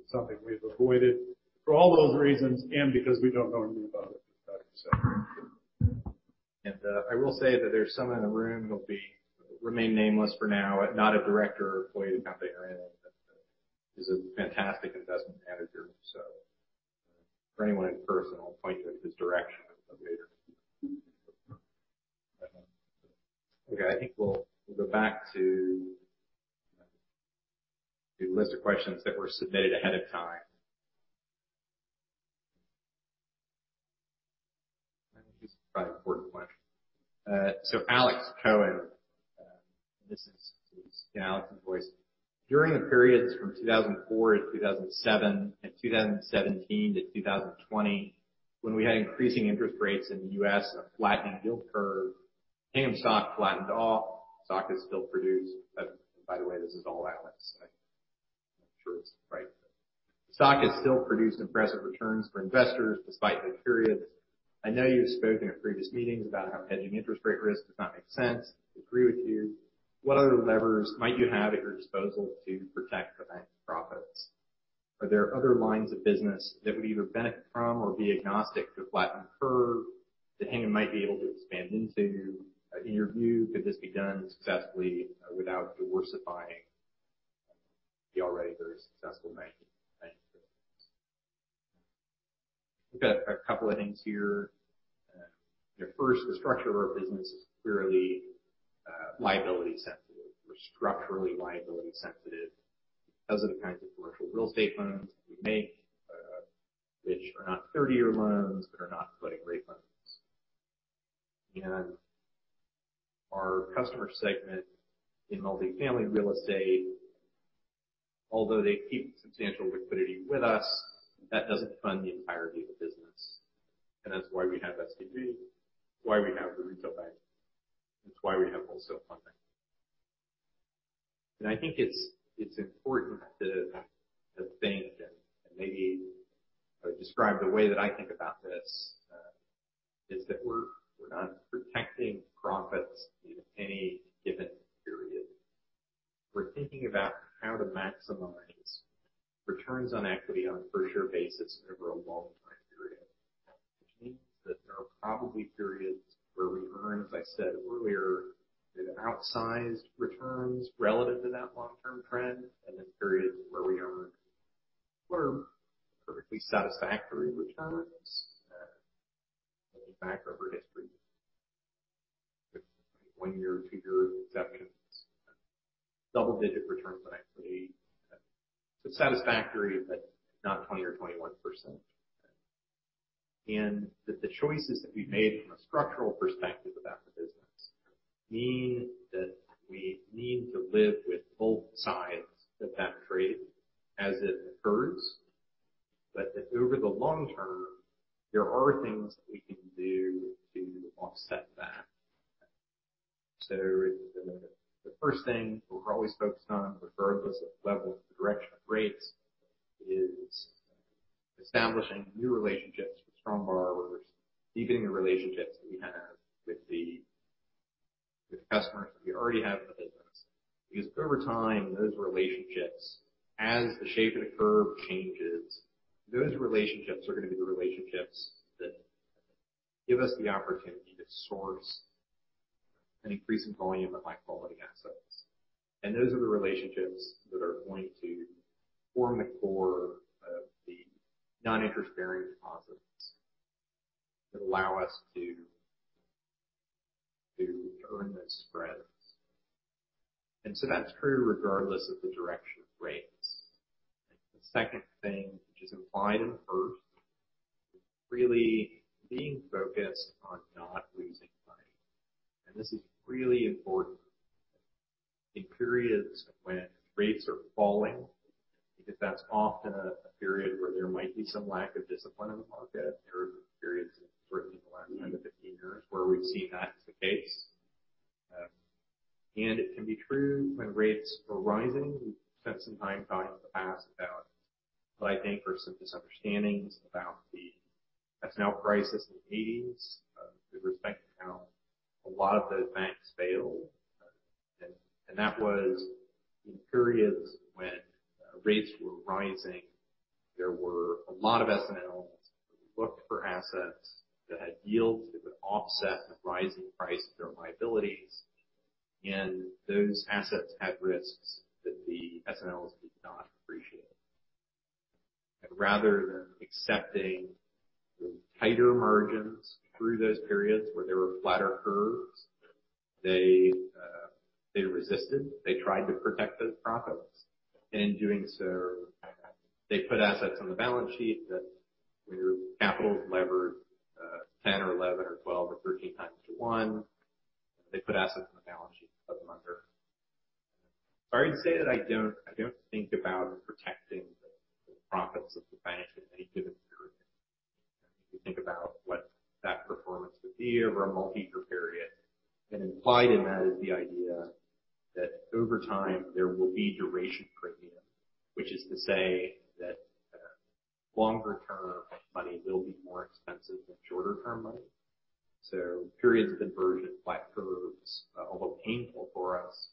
It's something we've avoided for all those reasons and because we don't know anything about it, as Patrick said. I will say that there's someone in the room who'll be remain nameless for now, not a director or employee of the company or anything. He's a fantastic investment manager. For anyone in person, I'll point you in his direction later. Okay. I think we'll go back to the list of questions that were submitted ahead of time. This is probably an important question. Alex Cohen, this is Alex's voice. During the periods from 2004-2007 and 2017-2020, when we had increasing interest rates in the U.S. and a flattening yield curve, Hingham stock flattened off. Stock has still produced impressive returns for investors despite the periods. By the way, this is all Alex. I'm not sure it's right. Stock has still produced impressive returns for investors despite the periods. I know you've spoken at previous meetings about how hedging interest rate risk does not make sense. I agree with you. What other levers might you have at your disposal to protect the bank's profits? Are there other lines of business that would either benefit from or be agnostic to a flattened curve that Hingham might be able to expand into? In your view, could this be done successfully without diversifying the already very successful bank interest? A couple of things here. First, the structure of our business is clearly liability sensitive. We're structurally liability sensitive because of the kinds of commercial real estate loans we make, which are not thirty-year loans. They're not floating rate loans. Our customer segment in multifamily real estate, although they keep substantial liquidity with us, that doesn't fund the entirety of the business. That's why we have SVB, why we have the retail bank, that's why we have wholesale funding. I think it's important to think and maybe I would describe the way that I think about this is that we're not protecting profits in any given period. We're thinking about how to maximize returns on equity on a per share basis over a long time period. Which means that there are probably periods where we earn, as I said earlier, you know, outsized returns relative to that long-term trend, and then periods where we earn what are perfectly satisfactory returns. Looking back over history, one-year, two-year exceptions, double-digit returns on equity. Satisfactory, but not 20% or 21%. That the choices that we've made from a structural perspective about the business mean that we need to live with both sides of that trade as it occurs. That over the long term, there are things that we can do to offset that. The first thing we're always focused on, regardless of levels or direction of rates, is establishing new relationships with strong borrowers, deepening the relationships that we have with the customers that we already have in the business. Because over time, those relationships, as the shape of the curve changes, those relationships are gonna be the relationships that give us the opportunity to source an increasing volume of high-quality assets. Those are the relationships that are going to form the core of the non-interest-bearing deposits that allow us to earn those spreads. That's true regardless of the direction of rates. The second thing, which is implied in the first, is really being focused on not losing money. This is really important in periods when rates are falling, because that's often a period where there might be some lack of discipline in the market. There have been periods, certainly in the last 10-15 years, where we've seen that as the case. It can be true when rates are rising. We've spent some time talking in the past about what I think are some misunderstandings about the S&L crisis in the eighties with respect to how a lot of those banks failed. That was in periods when rates were rising. There were a lot of S&Ls that looked for assets that had yields that would offset the rising price of their liabilities, and those assets had risks that the S&Ls did not appreciate. Rather than accepting the tighter margins through those periods where there were flatter curves, they resisted, they tried to protect those profits. In doing so, they put assets on the balance sheet that when your capital is levered, 10 or 11 or 12 or 13 times to one, they put assets on the balance sheet that put them under. I would say that I don't think about protecting the profits of the bank at any given period. We think about what that performance would be over a multi-year period. Implied in that is the idea that over time there will be duration premium, which is to say that longer-term money will be more expensive than shorter-term money. Periods of inversion, flat curves, although painful for us,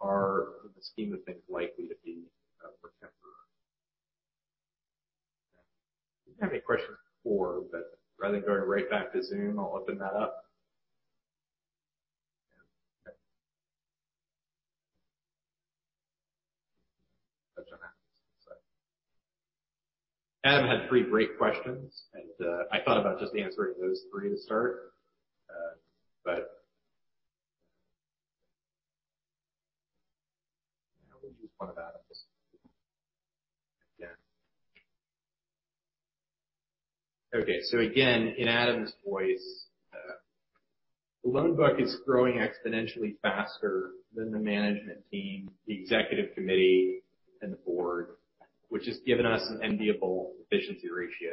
are in the scheme of things likely to be temporary. If you have any questions before, but rather than going right back to Zoom, I'll open that up. Yeah. Okay. Adam had three great questions, and I thought about just answering those three to start. Yeah, we'll use one of Adam's. Yeah. Okay. Again, in Adam's voice, the loan book is growing exponentially faster than the management team, the executive committee, and the board, which has given us an enviable efficiency ratio.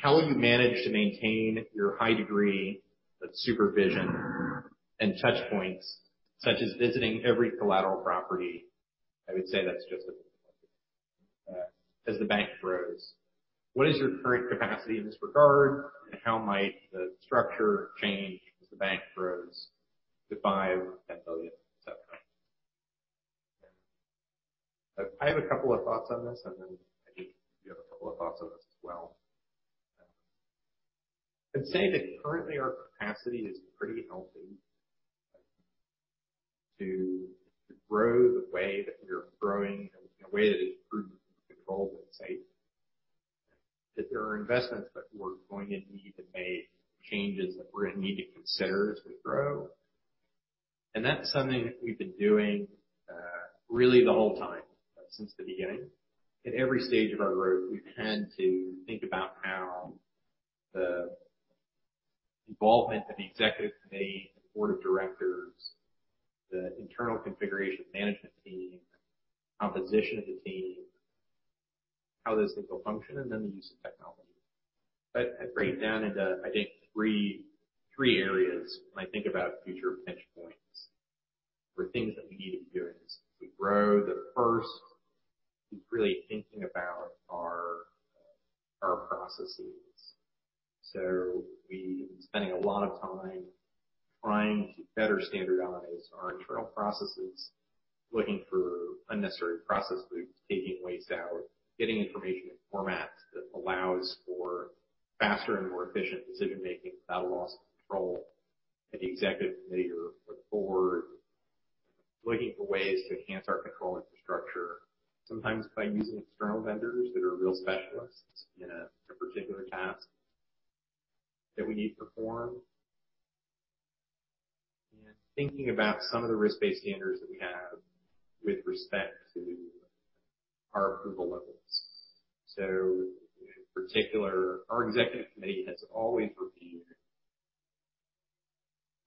How will you manage to maintain your high degree of supervision and touch points, such as visiting every collateral property? I would say that's just as the bank grows. What is your current capacity in this regard, and how might the structure change as the bank grows to $5 billion, $10 billion, etc.? I have a couple of thoughts on this, and then I think you have a couple of thoughts on this as well. I'd say that currently our capacity is pretty healthy to grow the way that we're growing and in a way that is prudent and controlled and safe. There are investments that we're going to need to make, changes that we're going to need to consider as we grow. That's something that we've been doing, really the whole time, since the beginning. At every stage of our growth, we've tended to think about how the involvement of the executive committee and board of directors, the internal configuration management team, composition of the team, how those things will function, and then the use of technology. I break down into, I think, three areas when I think about future pinch points or things that we need to be doing as we grow. The first is really thinking about our processes. We've been spending a lot of time trying to better standardize our internal processes, looking for unnecessary process loops, taking waste out, getting information in formats that allows for faster and more efficient decision-making without a loss of control at the executive committee or the board. Looking for ways to enhance our control infrastructure, sometimes by using external vendors that are real specialists in a particular task that we need performed. Thinking about some of the risk-based standards that we have with respect to our approval levels. In particular, our executive committee has always reviewed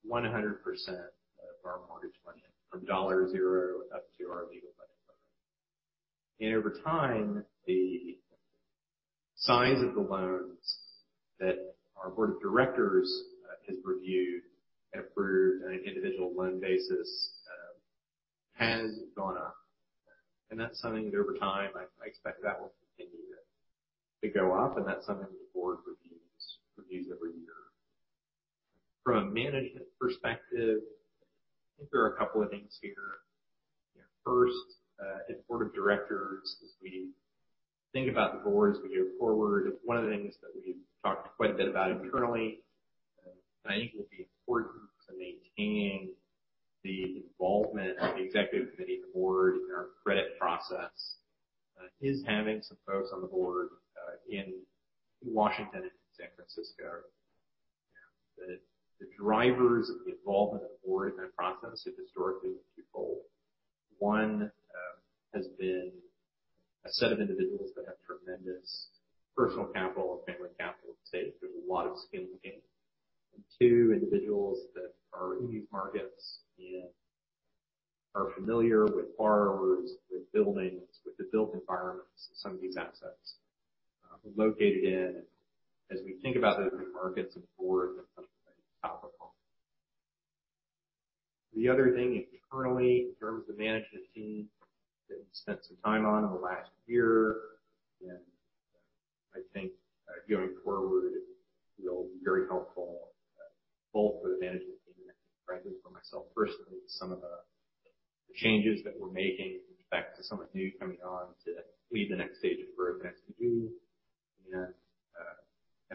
100% of our mortgage lending from dollar zero up to our legal lending limit. Over time, the size of the loans that our board of directors has reviewed and approved on an individual loan basis has gone up. That's something that over time, I expect that will continue to go up, and that's something the board reviews every year. From a management perspective, I think there are a couple of things here. You know, first, as board of directors, as we think about the board as we go forward, one of the things that we've talked quite a bit about internally, and I think it will be important to maintain the involvement of the executive committee and the board in our credit process, is having some folks on the board, in Washington and San Francisco. You know, the drivers of the involvement of the board in that process have historically been twofold. One, has been a set of individuals that have tremendous personal capital or family capital at stake. There's a lot of skin in the game. Two, individuals that are in these markets and are familiar with borrowers, with buildings, with the built environments that some of these assets are located in. As we think about those new markets and boards. The other thing internally, in terms of the management team that we spent some time on over the last year, and I think, going forward, it will be very helpful, both for the management team and frankly, for myself personally, some of the changes that we're making with respect to someone new coming on to lead the next stage of growth the next few years.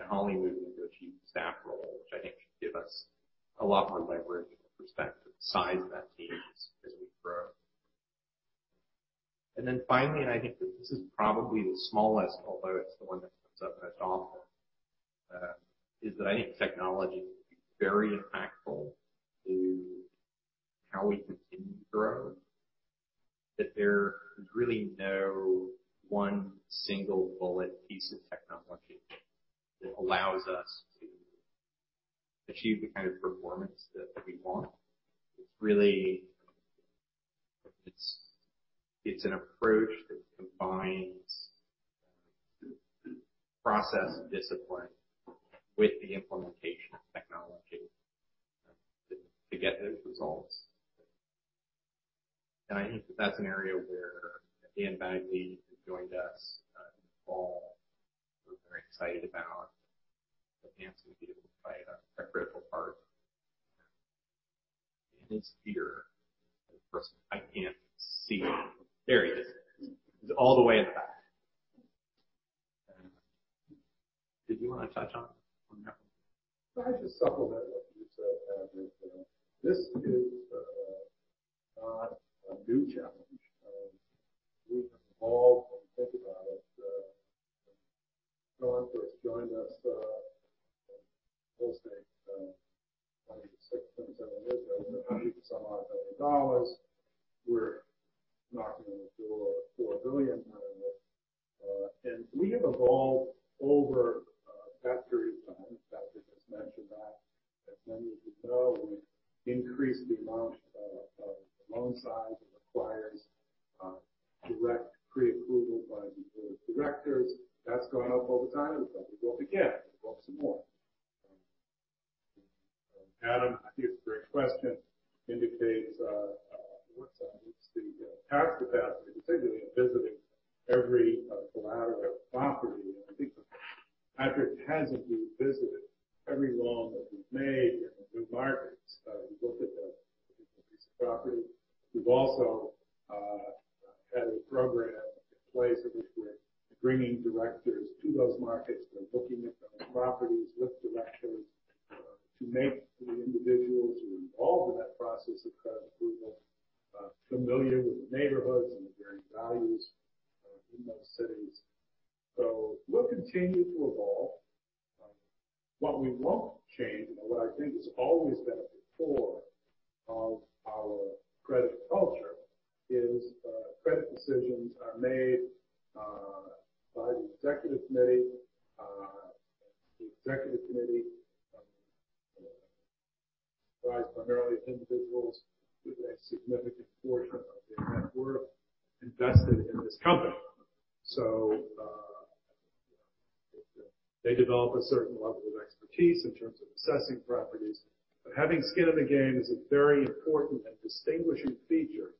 Holly moving into a chief of staff role, which I think should give us a lot more leverage with respect to the size of that team as we grow. Then finally, and I think this is probably the smallest, although it's the one that comes up most often, is that I think technology is very impactful to how we continue to grow. That there is really no one single bullet piece of technology that allows us to achieve the kind of performance that we want. It's really an approach that combines process discipline with the implementation of technology to get those results. I think that that's an area where Daniel Bagley, who joined us in the fall, we're very excited about. I think he's gonna be able to play a critical part. Dan is here. Of course, I can't see him. There he is. He's all the way in the back. Did you wanna touch on that one? Well, I'll just supplement what you said, Patrick. This is not a new challenge. We have evolved when you think about it. When John first joined us in real estate 26-27 years ago, some odd dollars billion. We're knocking on the door of $4 billion now. We have evolved over that period of time. In fact, I just mentioned that. As many of you know, we've increased the amount of the loan size that requires direct pre-approval by the board of directors. That's gone up over time, and it's likely to go up again, and go up some more. Adam, I think it's a great question, indicates what's the task capacity, particularly in visiting every collateral property. I think, Patrick hasn't revisited every loan that we've made in the new markets. We've looked at the particular piece of property. We've also had a program in place in which we're bringing directors to those markets. We're looking at the properties with directors to make the individuals who are involved in that process familiar with the neighborhoods and the varying values in those cities. We'll continue to evolve. What we won't change and what I think has always been at the core of our credit culture is credit decisions are made by the executive committee. The executive committee, comprised primarily of individuals with a significant portion of their net worth invested in this company. You know, they develop a certain level of expertise in terms of assessing properties. Having skin in the game is a very important and distinguishing feature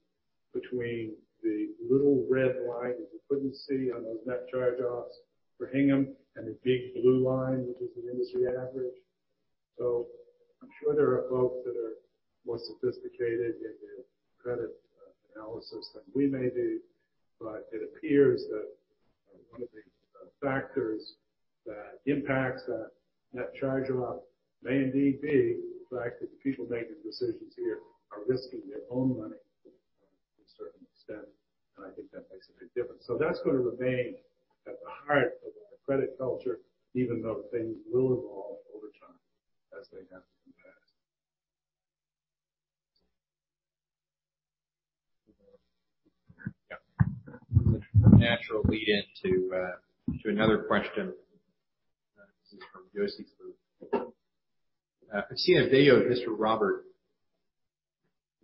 between the little red line that you couldn't see on those net charge-offs for Hingham and the big blue line, which is the industry average. I'm sure there are folks that are more sophisticated in their credit analysis than we may be, but it appears that one of the factors that impacts that net charge-off may indeed be the fact that the people making decisions here are risking their own money to a certain extent, and I think that makes a big difference. That's gonna remain at the heart of our credit culture, even though things will evolve over time as they have in the past. Yeah. A natural lead-in to another question. This is from Yossi Gropp. I've seen a video of Mr. Robert,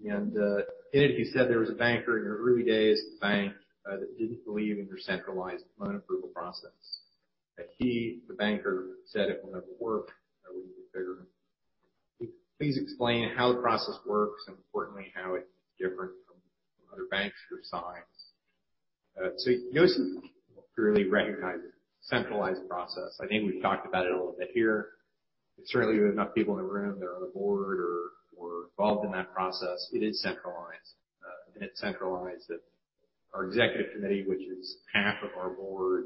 and in it he said there was a banker in your early days at the bank that didn't believe in your centralized loan approval process. That he, the banker, said it would never work when you were bigger. Could you please explain how the process works and importantly, how it's different from other banks your size? Yossi clearly recognizes centralized process. I think we've talked about it a little bit here. Certainly there are enough people in the room that are on the board or involved in that process. It is centralized. It's centralized at our executive committee, which is half of our board,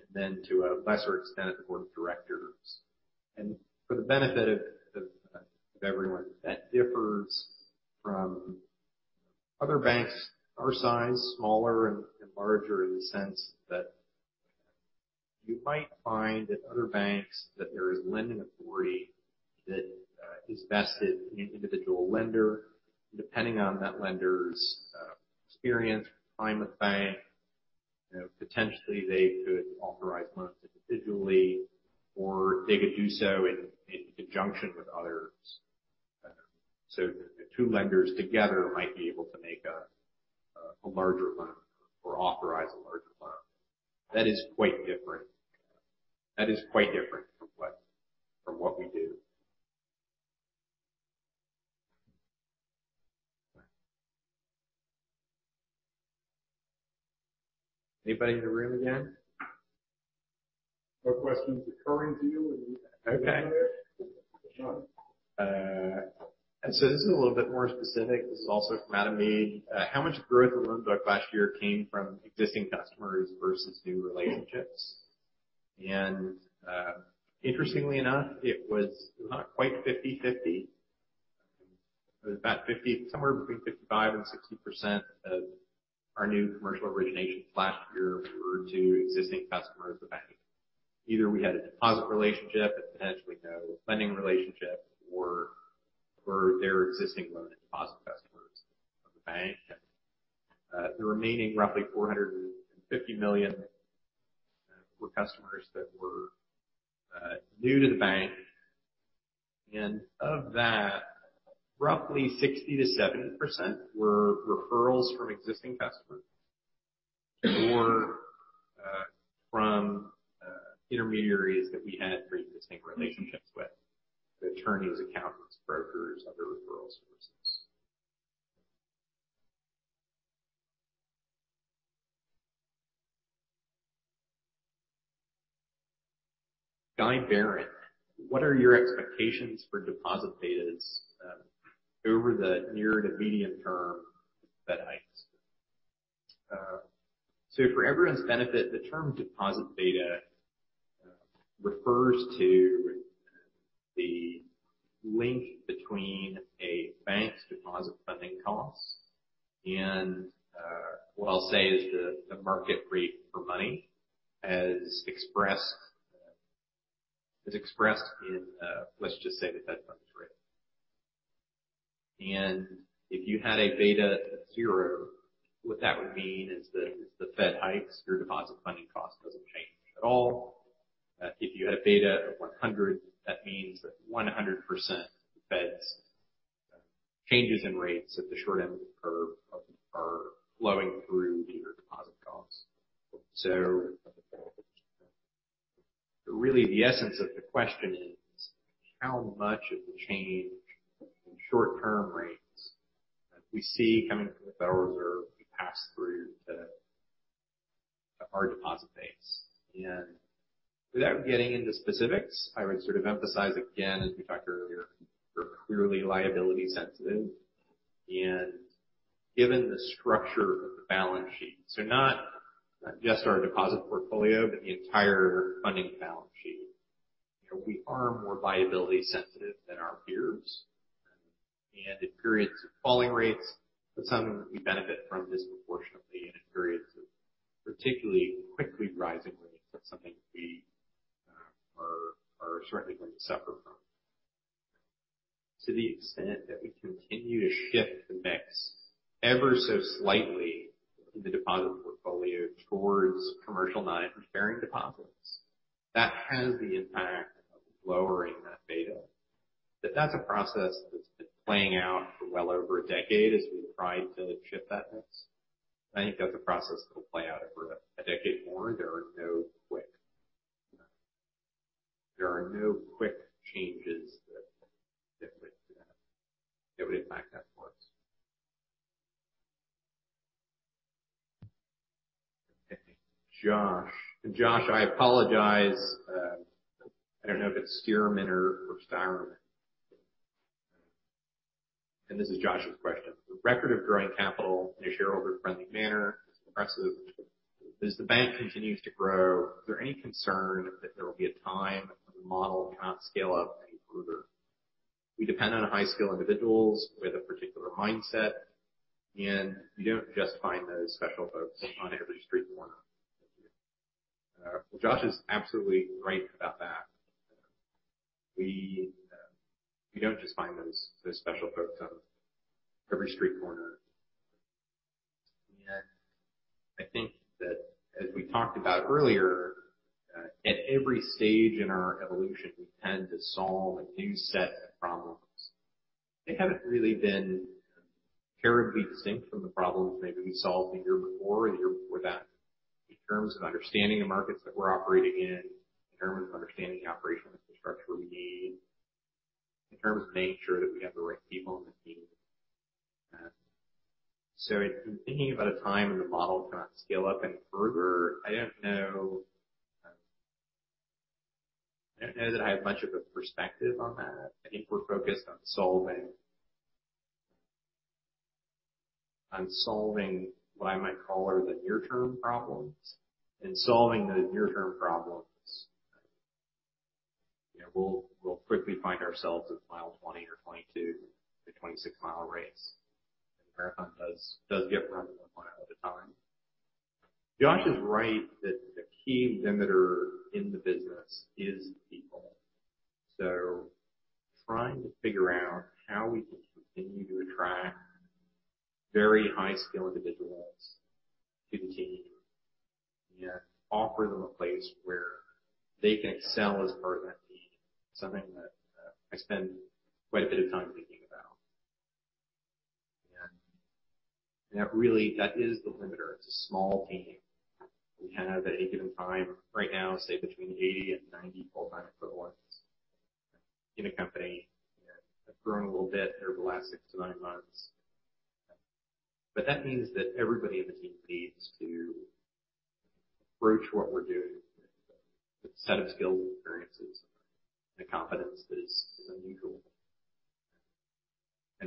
and then to a lesser extent, at the board of directors. For the benefit of everyone, that differs from other banks our size, smaller and larger in the sense that you might find at other banks that there is lending authority that is vested in an individual lender. Depending on that lender's experience or time with the bank, you know, potentially they could authorize loans individually or they could do so in conjunction with others. So the two lenders together might be able to make a larger loan or authorize a larger loan. That is quite different from what we do. Anybody in the room again? No questions occurring to you as we sit here. Okay. This is a little bit more specific. This is also from Adam Mead. How much growth in loan book last year came from existing customers versus new relationships? Interestingly enough, it was not quite 50/50. It was about somewhere between 55%-60% of our new commercial originations last year were to existing customers of the bank. Either we had a deposit relationship but potentially no lending relationship or were their existing loan and deposit customers of the bank. The remaining roughly $450 million were customers that were new to the bank. Of that, roughly 60%-70% were referrals from existing customers or from intermediaries that we had pre-existing relationships with, the attorneys, accountants, brokers, other referral sources. Guy Baron, what are your expectations for deposit betas over the near to medium term Fed hikes? For everyone's benefit, the term deposit beta refers to the link between a bank's deposit funding costs and what I'll say is the market rate for money as expressed in let's just say the Fed funds rate. If you had a beta of zero, what that would mean is that as the Fed hikes, your deposit funding cost doesn't change at all. If you had a beta of 100, that means that 100% of the Fed's changes in rates at the short end of the curve are flowing through to your deposit costs. Really the essence of the question is how much of the change in short-term rates that we see coming from the Federal Reserve will be passed through to our deposit base. Without getting into specifics, I would sort of emphasize again, as we talked earlier, we're clearly liability sensitive and given the structure of the balance sheet, so not just our deposit portfolio, but the entire funding balance sheet. You know, we are more liability sensitive than our peers. In periods of falling rates, that's something that we benefit from disproportionately. In periods of particularly quickly rising rates, that's something we are certainly going to suffer from. To the extent that we continue to shift the mix ever so slightly in the deposit portfolio towards commercial non-interest-bearing deposits, that has the impact of lowering that beta. That's a process that's been playing out for well over a decade as we've tried to shift that mix. I think that's a process that'll play out over a decade more. There are no quick changes that would impact that for us. Okay, Josh. Josh, I apologize, I don't know if it's Stearman or Stearman. This is Josh's question. The record of growing capital in a shareholder-friendly manner is impressive. As the bank continues to grow, is there any concern that there will be a time when the model cannot scale up any further? We depend on high-skill individuals with a particular mindset, and you don't just find those special folks on every street corner. Josh is absolutely right about that. We don't just find those special folks on every street corner. I think that as we talked about earlier, at every stage in our evolution, we tend to solve a new set of problems. They haven't really been terribly distinct from the problems maybe we solved the year before or the year before that, in terms of understanding the markets that we're operating in terms of understanding the operational infrastructure we need, in terms of making sure that we have the right people on the team. So in thinking about a time when the model cannot scale up any further, I don't know, I don't know that I have much of a perspective on that. I think we're focused on solving what I might call are the near-term problems. Solving the near-term problems, we'll quickly find ourselves at mile 20 or 22 in a 26-mile race. The marathon does get run one mile at a time. Josh is right that the key limiter in the business is people. Trying to figure out how we can continue to attract very high-skill individuals to the team and offer them a place where they can excel as part of that team is something that I spend quite a bit of time thinking about. That is the limiter. It's a small team. We have at any given time right now, say between 80 and 90 full-time equivalents in the company. We have grown a little bit over the last six to nine months. That means that everybody on the team needs to approach what we're doing with a set of skills and experiences and a competence that is unusual.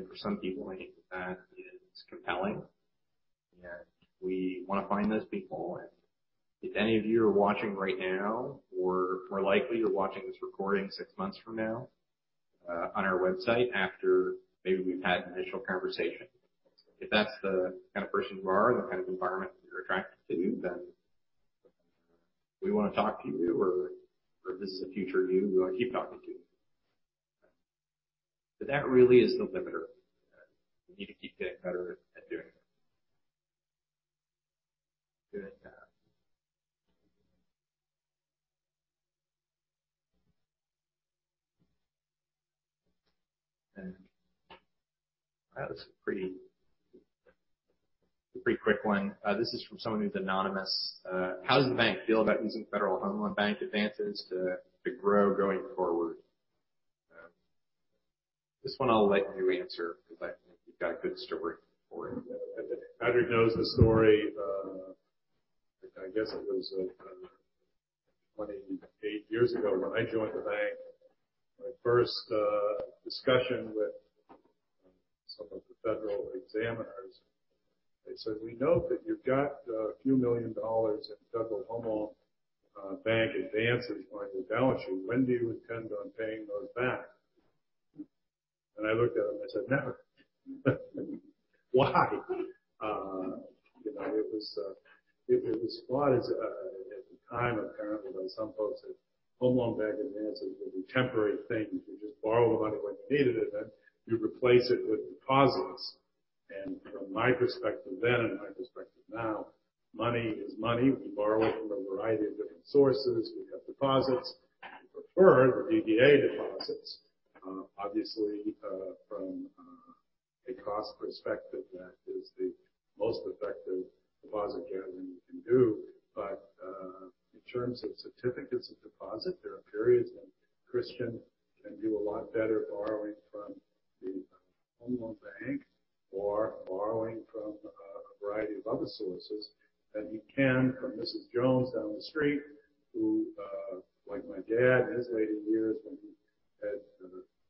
For some people, I think that is compelling. We wanna find those people. If any of you are watching right now, or more likely you're watching this recording six months from now, on our website after maybe we've had an initial conversation, if that's the kind of person you are and the kind of environment you're attracted to, then we wanna talk to you or if this is a future you, we wanna keep talking to you. That really is the limiter. We need to keep getting better at doing that. Good. That was a pretty quick one. This is from someone who's anonymous. How does the bank feel about using Federal Home Loan Bank advances to grow going forward? This one I'll let you answer because I think you've got a good story for it. Patrick knows the story. I guess it was 28 years ago when I joined the bank. My first discussion with some of the federal examiners, they said, "We note that you've got $a few million in Federal Home Loan Bank advances on your balance sheet. When do you intend on paying those back?" I looked at him and I said, "Never." Why? You know, it was thought of as, at the time, apparently by some folks at the Home Loan Bank, advances would be temporary things. You just borrow the money when you needed it, then you replace it with deposits. From my perspective then and my perspective now, money is money. We borrow it from a variety of different sources. We have deposits. We prefer DDA deposits. Obviously, from a cost perspective, that is the most effective deposit gathering you can do. In terms of certificates of deposit, there are periods that Christian can do a lot better borrowing from the Federal Home Loan Bank or borrowing from a variety of other sources than he can from Mrs. Jones down the street who, like my dad in his later years when he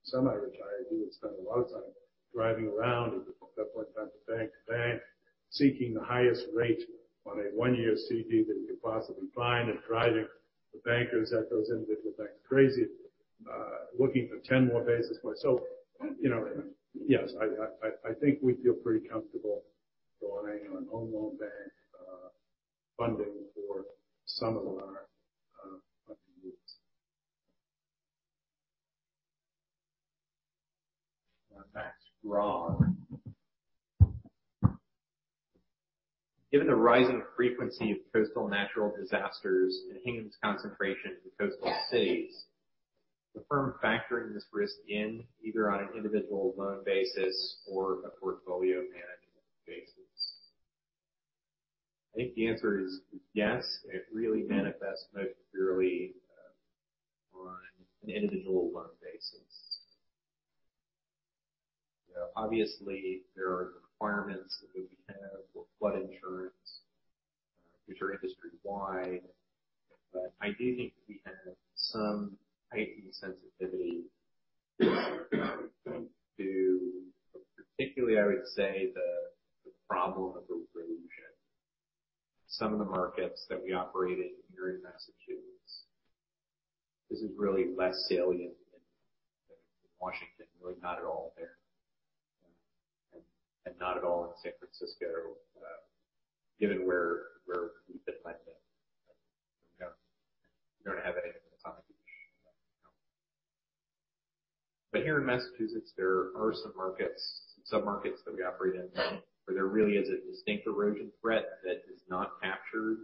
semi-retired, he would spend a lot of time driving around. He would go from bank to bank seeking the highest rate on a one-year CD that he could possibly find, and driving the bankers at those individual banks crazy, looking for 10 more basis points. You know, yes, I think we feel pretty comfortable relying on Federal Home Loan Bank funding for some of our funding needs. That's wrong. Given the rising frequency of coastal natural disasters and Hingham's concentration in coastal cities, the firm factoring this risk in either on an individual loan basis or a portfolio management basis. I think the answer is yes. It really manifests most clearly on an individual loan basis. You know, obviously, there are requirements that we have for flood insurance, which are industry-wide. I do think we have some heightened sensitivity to particularly, I would say, the problem of erosion. Some of the markets that we operate in here in Massachusetts, this is really less salient in Washington. Really not at all there. And not at all in San Francisco, given where we've been lending. We don't have anything on the beach. Here in Massachusetts, there are some markets that we operate in where there really is a distinct erosion threat that is not captured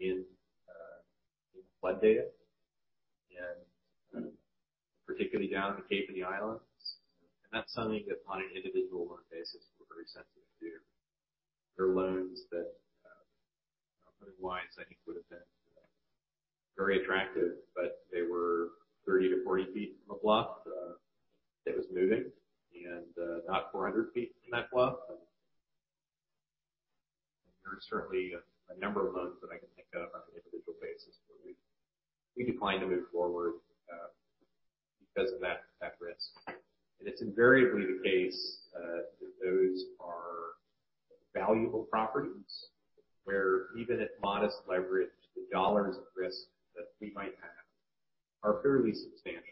in flood data, and particularly down in the Cape and the Islands. That's something that on an individual loan basis we're very sensitive to. There are loans that otherwise I think would have been very attractive, but they were 30-40 feet from a bluff that was moving and not 400 feet from that bluff. There are certainly a number of loans that I can think of on an individual basis where we declined to move forward because of that risk. It's invariably the case that those are valuable properties, where even at modest leverage, the dollars at risk that we might have are fairly substantial.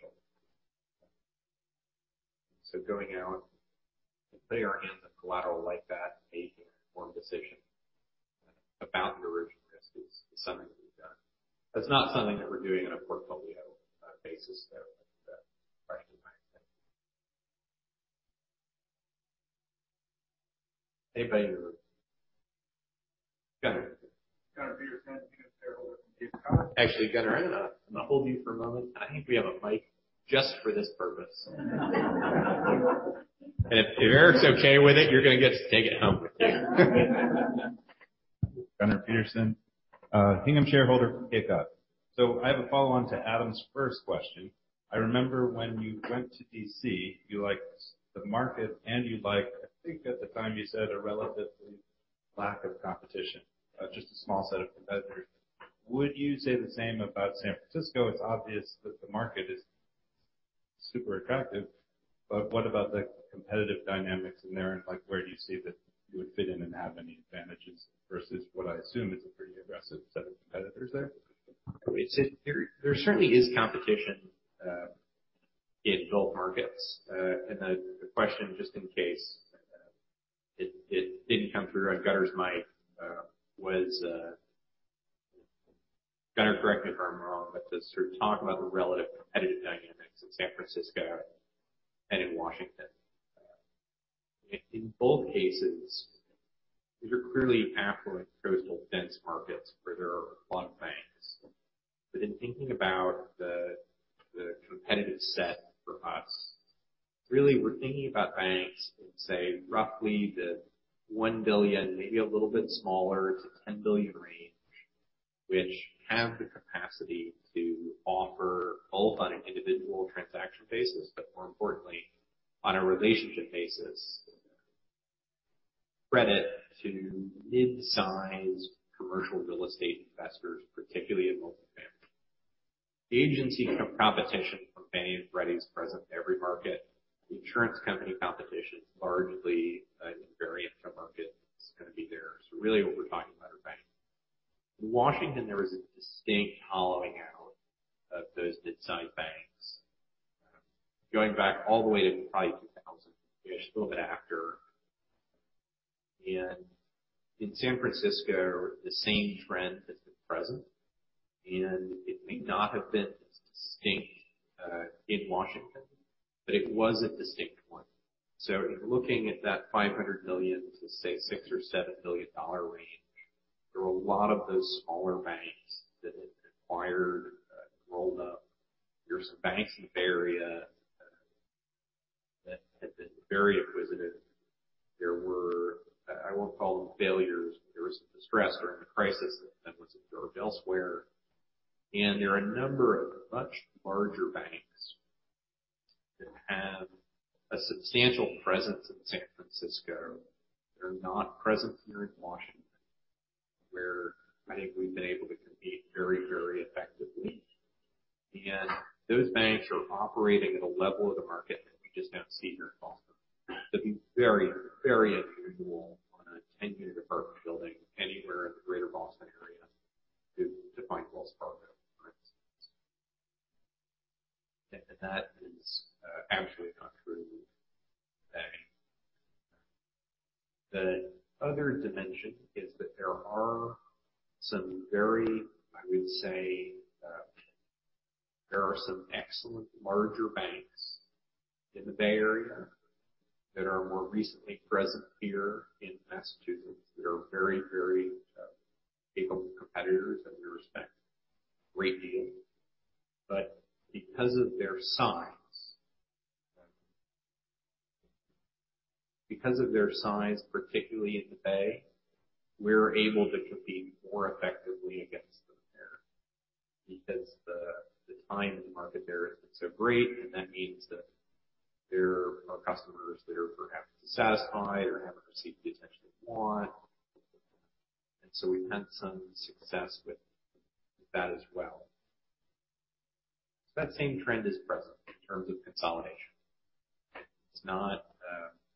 Going out and putting our hands on collateral like that and making an informed decision about the erosion risk is something we've done. That's not something that we're doing on a portfolio basis, though, if that answers your question. Anybody? Gunnar. Gunnar Peterson, Hingham shareholder from Cape Cod. Actually, Gunnar, I'm gonna hold you for a moment. I think we have a mic just for this purpose. If Eric's okay with it, you're gonna get to take it home with you. Gunnar Peterson, Hingham shareholder from Cape Cod. I have a follow-on to Adam's first question. I remember when you went to DC, you liked the market and you liked, I think at the time you said a relatively lack of competition, just a small set of competitors. Would you say the same about San Francisco? It's obvious that the market is super attractive, but what about the competitive dynamics in there? Like, where do you see that you would fit in and have any advantages versus what I assume is a pretty aggressive set of competitors there? There certainly is competition in both markets. The question, just in case it didn't come through on Gunner's mic, was Gunner, correct me if I'm wrong, but to sort of talk about the relative competitive dynamics in San Francisco and in Washington. In both cases, these are clearly affluent coastal dense markets where there are a lot of banks. In thinking about the competitive set for us, really we're thinking about banks in, say, roughly the $1 billion, maybe a little bit smaller, to $10 billion range, which have the capacity to offer both on an individual transaction basis, but more importantly, on a relationship basis, credit to mid-size commercial real estate investors, particularly in multifamily. The agency competition from Fannie and Freddie is present in every market. The insurance company competition is largely an invariant to market. It's gonna be there. Really what we're talking about are banks. In Washington, there was a distinct hollowing out of those mid-size banks, going back all the way to probably 2000-ish, a little bit after. In San Francisco, the same trend has been present, and it may not have been as distinct in Washington, but it was a distinct one. In looking at that $500 million to, say, $6-$7 billion range, there were a lot of those smaller banks that had acquired, rolled up. There's some banks in the Bay Area that had been very acquisitive. There were I won't call them failures. There was some distress during the crisis that was absorbed elsewhere. There are a number of much larger banks that have a substantial presence in San Francisco. They're not present here in Washington, where I think we've been able to compete very, very effectively. Those banks are operating at a level of the market that we just don't see here in Boston. It'd be very, very unusual on a 10-unit apartment building anywhere in the Greater Boston area to find Wells Fargo, for instance. That is absolutely not true in the Bay. The other dimension is that there are some excellent larger banks in the Bay Area that are more recently present here in Massachusetts that are very, very capable competitors that we respect a great deal. Because of their size, particularly in the Bay, we're able to compete more effectively against them there because the timing of the market there has been so great, and that means that there are customers there who are happy, satisfied, or haven't received the attention they want. We've had some success with that as well. That same trend is present in terms of consolidation. It's not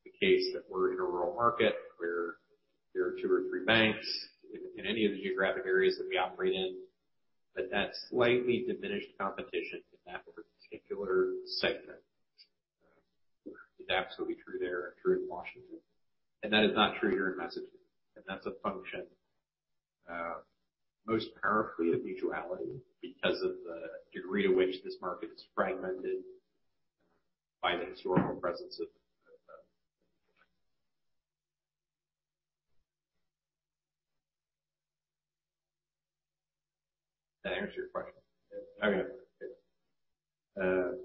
the case that we're in a rural market where there are two or three banks in any of the geographic areas that we operate in. That slightly diminished competition in that particular segment is absolutely true there and true in Washington. That is not true here in Massachusetts, and that's a function, most powerfully of mutuality because of the degree to which this market is fragmented by the historical presence of. Did that answer your question? Yes. Okay.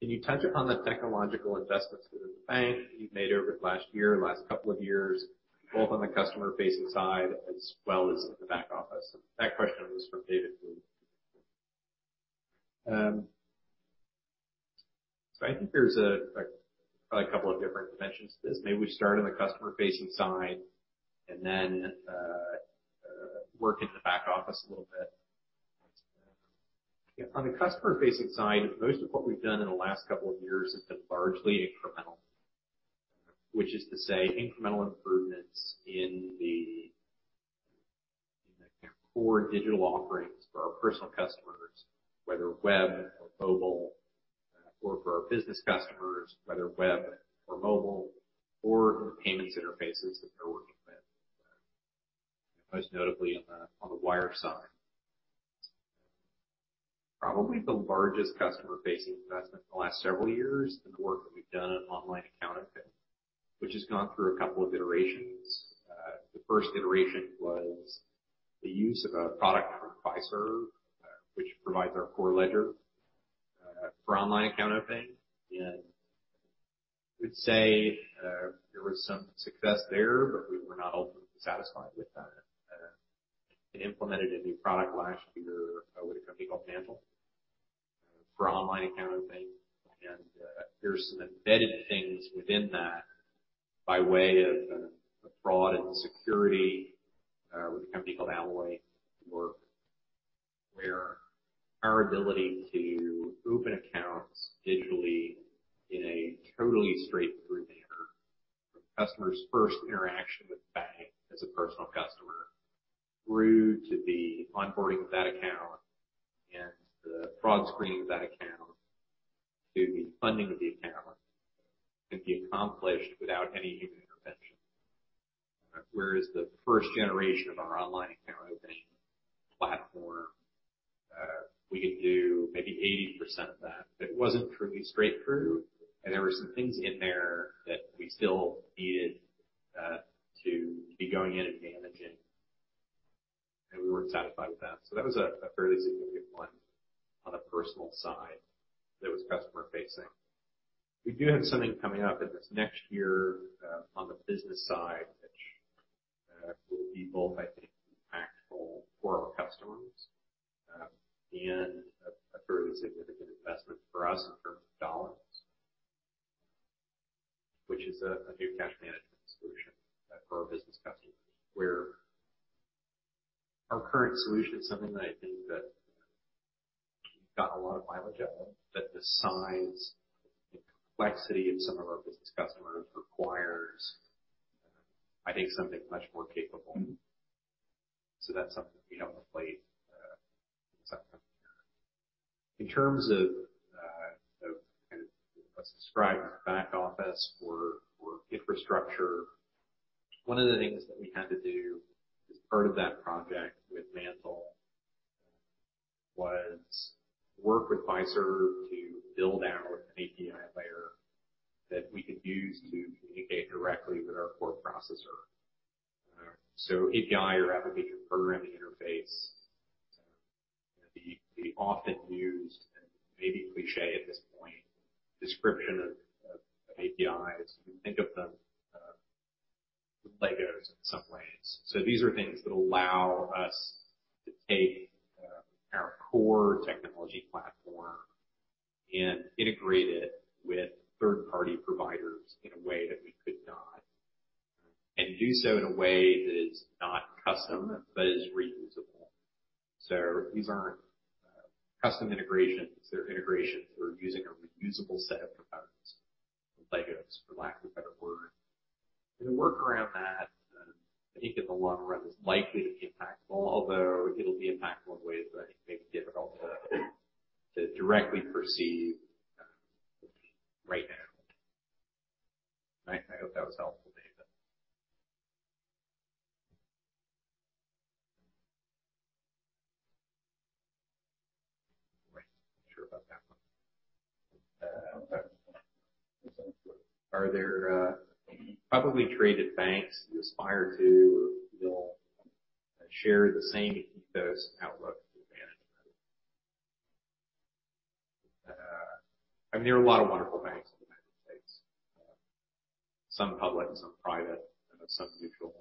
Can you touch upon the technological investments within the bank you've made over the last year, last couple of years, both on the customer-facing side as well as the back office? That question was from David. I think there's probably a couple of different dimensions to this. Maybe we start on the customer-facing side and then work in the back office a little bit. Yeah. On the customer-facing side, most of what we've done in the last couple of years has been largely incremental. Which is to say incremental improvements in the kind of core digital offerings for our personal customers, whether web or mobile, or for our business customers, whether web or mobile, or in the payments interfaces that they're working with, most notably on the wire side. Probably the largest customer-facing investment in the last several years is the work that we've done on online account opening, which has gone through a couple of iterations. The first iteration was the use of a product from Fiserv, which provides our core ledger, for online account opening. I would say there was some success there, but we were not ultimately satisfied with that. Implemented a new product last year with a company called MANTL for online account opening. There's some embedded things within that by way of, fraud and security, with a company called Alloy, where our ability to open accounts digitally in a totally straightforward manner from customer's first interaction with the bank as a personal customer through to the onboarding of that account and the fraud screening of that account to the funding of the account can be accomplished without any human intervention. Whereas the first generation of our online account opening platform, we could do maybe 80% of that. It wasn't truly straightforward, and there were some things in there that we still needed to be going in and managing, and we weren't satisfied with that. That was a fairly significant one on the personal side that was customer-facing. We do have something coming up in this next year, on the business side, which will be both, I think, impactful for our customers, and a fairly significant investment for us in terms of dollars, which is a new cash management solution, for our business customers, where our current solution is something that I think that we've gotten a lot of mileage out of it. The size and complexity of some of our business customers requires, I think something much more capable. That's something we have in place, in the second half of the year. In terms of kind of what's described as the back office or infrastructure, one of the things that we had to do as part of that project with MANTL was work with Fiserv to build out an API layer that we could use to communicate directly with our core processor. API or application programming interface, the often used and maybe cliché at this point description of APIs. You can think of them as Legos in some ways. These are things that allow us to take our core technology platform and integrate it with third-party providers in a way that we could not, and do so in a way that is not custom but is reusable. These aren't custom integrations, they're integrations. We're using a reusable set of components, Legos, for lack of a better word. The work around that, I think in the long run is likely to be impactful, although it'll be impactful in ways that I think may be difficult to directly perceive, right now. I hope that was helpful, David. Right. Not sure about that one. Okay. Are there publicly traded banks you aspire to or feel share the same ethos and outlook as management? I mean, there are a lot of wonderful banks in the United States, some public, some private, some mutual.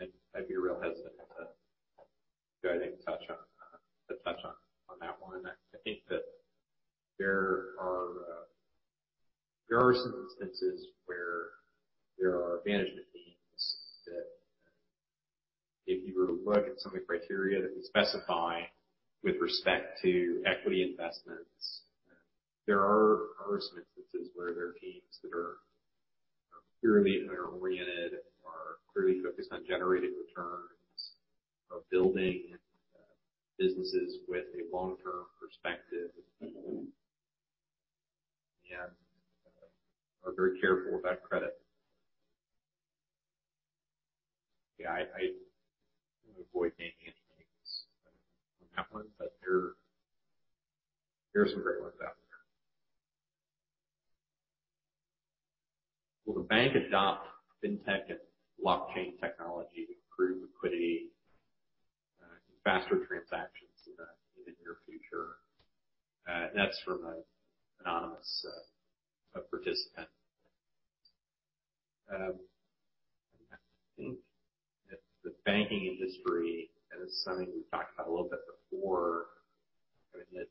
I'd be real hesitant to go ahead and touch on that one. I think that there are some instances where there are management teams that, if you were to look at some of the criteria that we specify with respect to equity investments, there are some instances where there are teams that are purely owner-oriented, are clearly focused on generating returns or building businesses with a long-term perspective. Yeah. Are very careful about credit. Yeah, I wanna avoid naming any names on that one, but there are some great ones out there. Will the bank adopt fintech and blockchain technology to improve liquidity, faster transactions in the near future? That's from an anonymous participant. I think that the banking industry, and this is something we've talked about a little bit before, I mean,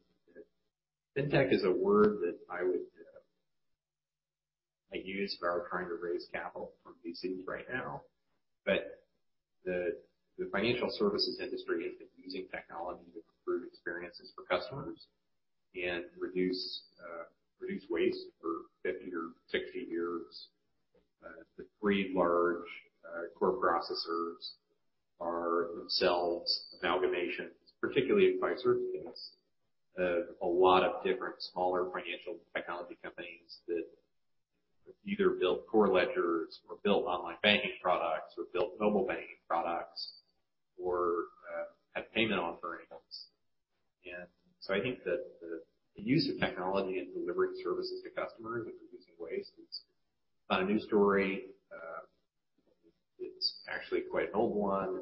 fintech is a word that I would might use if I were trying to raise capital from VCs right now. The financial services industry has been using technology to improve experiences for customers and reduce waste for 50 or 60 years. The three large core processors are themselves amalgamations, particularly in Fiserv's case, of a lot of different smaller financial technology companies that either built core ledgers or built online banking products or built mobile banking products or had payment offerings. I think that the use of technology in delivering services to customers and reducing waste is not a new story. It's actually quite an old one.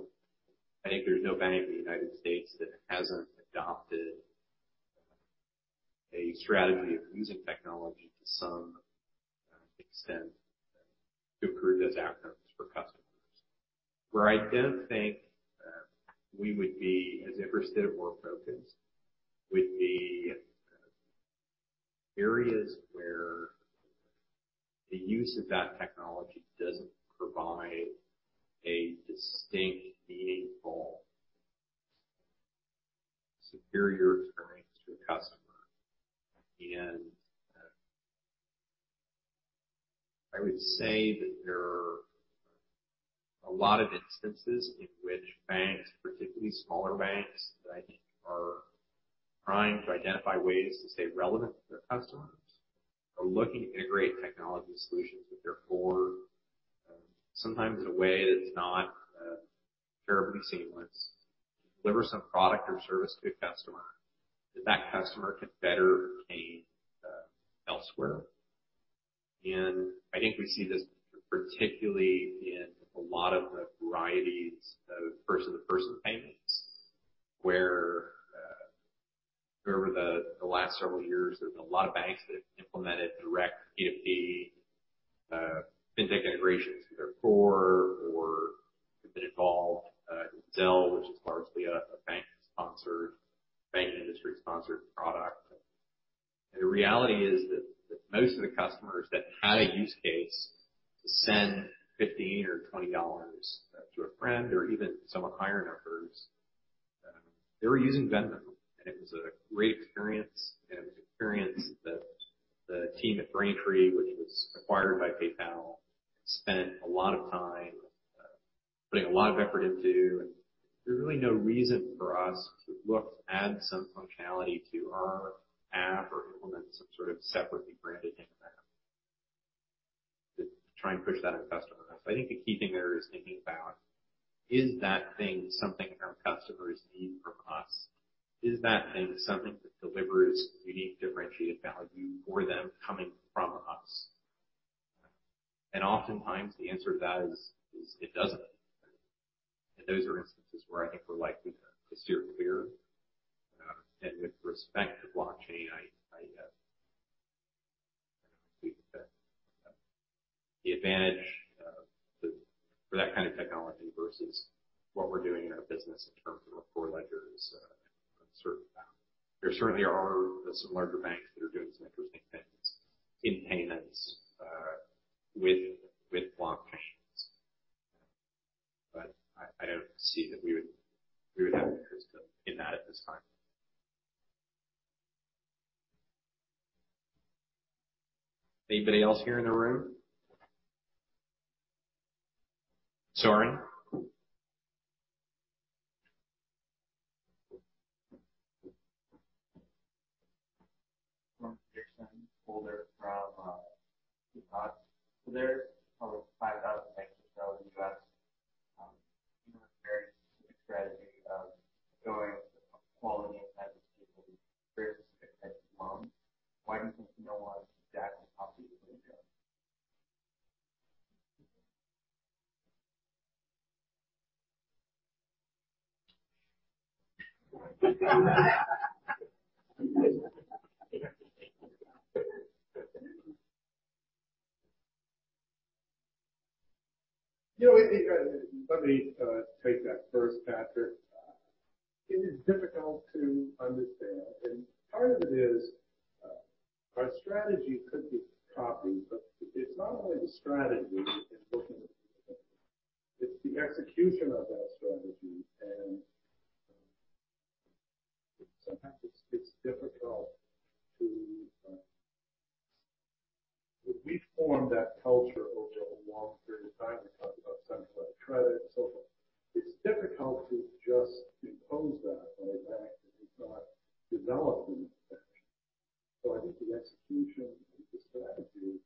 I think there's no bank in the United States that hasn't adopted a strategy of using technology to some extent to improve those outcomes for customers. Where I don't think we would be as interested or focused would be in areas where the use of that technology doesn't provide a distinct, meaningful, superior experience to the customer. I would say that there are a lot of instances in which banks, particularly smaller banks that I think are trying to identify ways to stay relevant to their customers, are looking to integrate technology solutions with their core, sometimes in a way that's not terribly seamless to deliver some product or service to a customer that that customer can better obtain elsewhere. I think we see this particularly in a lot of the varieties of person-to-person payments, where over the last several years, there's a lot of banks that have implemented direct P2P fintech integrations with their core or have been involved in Zelle, which is largely a bank-sponsored, bank industry-sponsored product. The reality is that most of the customers that had a use case to send $15 or $20 to a friend or even somewhat higher numbers, they were using Venmo, and it was a great experience, and it was an experience that the team at Braintree, which was acquired by PayPal, spent a lot of time putting a lot of effort into. There's really no reason for us to look to add some functionality to our app or implement some sort of separately branded thing in the app to try and push that on customers. I think the key thing there is thinking about, is that thing something our customers need from us? Is that thing something that delivers unique differentiated value for them coming from us? Oftentimes the answer to that is it doesn't. Those are instances where I think we're likely to steer clear. With respect to blockchain, the advantage of that kind of technology versus what we're doing in our business in terms of our core ledgers sort of. There certainly are some larger banks that are doing some interesting things in payments with blockchains. I don't see that we would have interest in that at this time. Anybody else here in the room? Sorry. From Dixon Holder from Ecos. There's probably 5,000 banks or so in the U.S., with a very specific strategy of going quality and types of people, very specific types of loans. Why does no one exactly copy what you're doing? You know, let me take that first, Patrick. It is difficult to understand, and part of it is, our strategy could be copied, but it's not only the strategy in looking at it's the execution of that strategy. Sometimes it's difficult to. We formed that culture over a long period of time. We talked about sense of credit and so forth. It's difficult to just impose that on a bank that has not developed in that direction. So I think the execution of the strategy,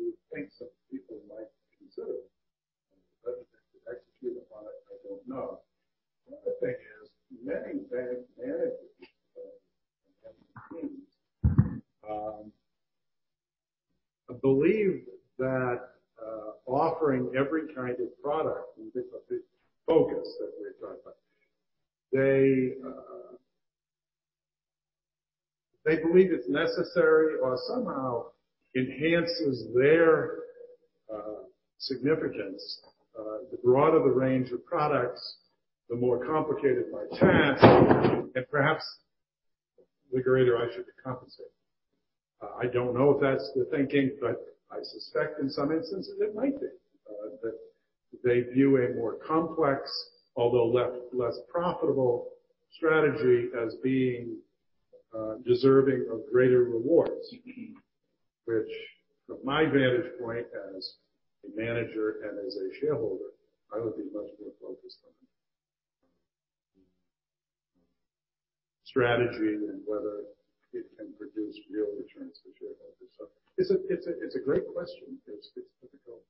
we would think some people might consider, and whether they could execute upon it, I don't know. The other thing is many bank managers and bank teams, believe that, offering every kind of product and this focus that we're talking about, they believe it's necessary or somehow enhances their significance. The broader the range of products, the more complicated my task, and perhaps the greater I should be compensated. I don't know if that's the thinking, but I suspect in some instances it might be that they view a more complex, although less profitable strategy as being deserving of greater rewards. Which from my vantage point as a manager and as a shareholder, I would be much more focused on strategy and whether it can produce real returns for shareholders. It's a great question. It's difficult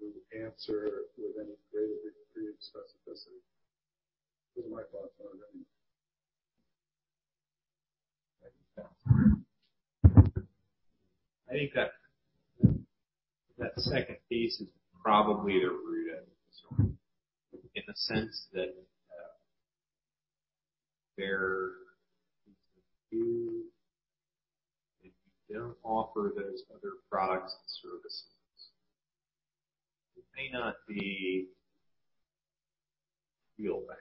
to answer with any great degree of specificity. Those are my thoughts on it, I mean. I think that second piece is probably the root of the story in the sense that there is a view if you don't offer those other products and services, it may not be real banking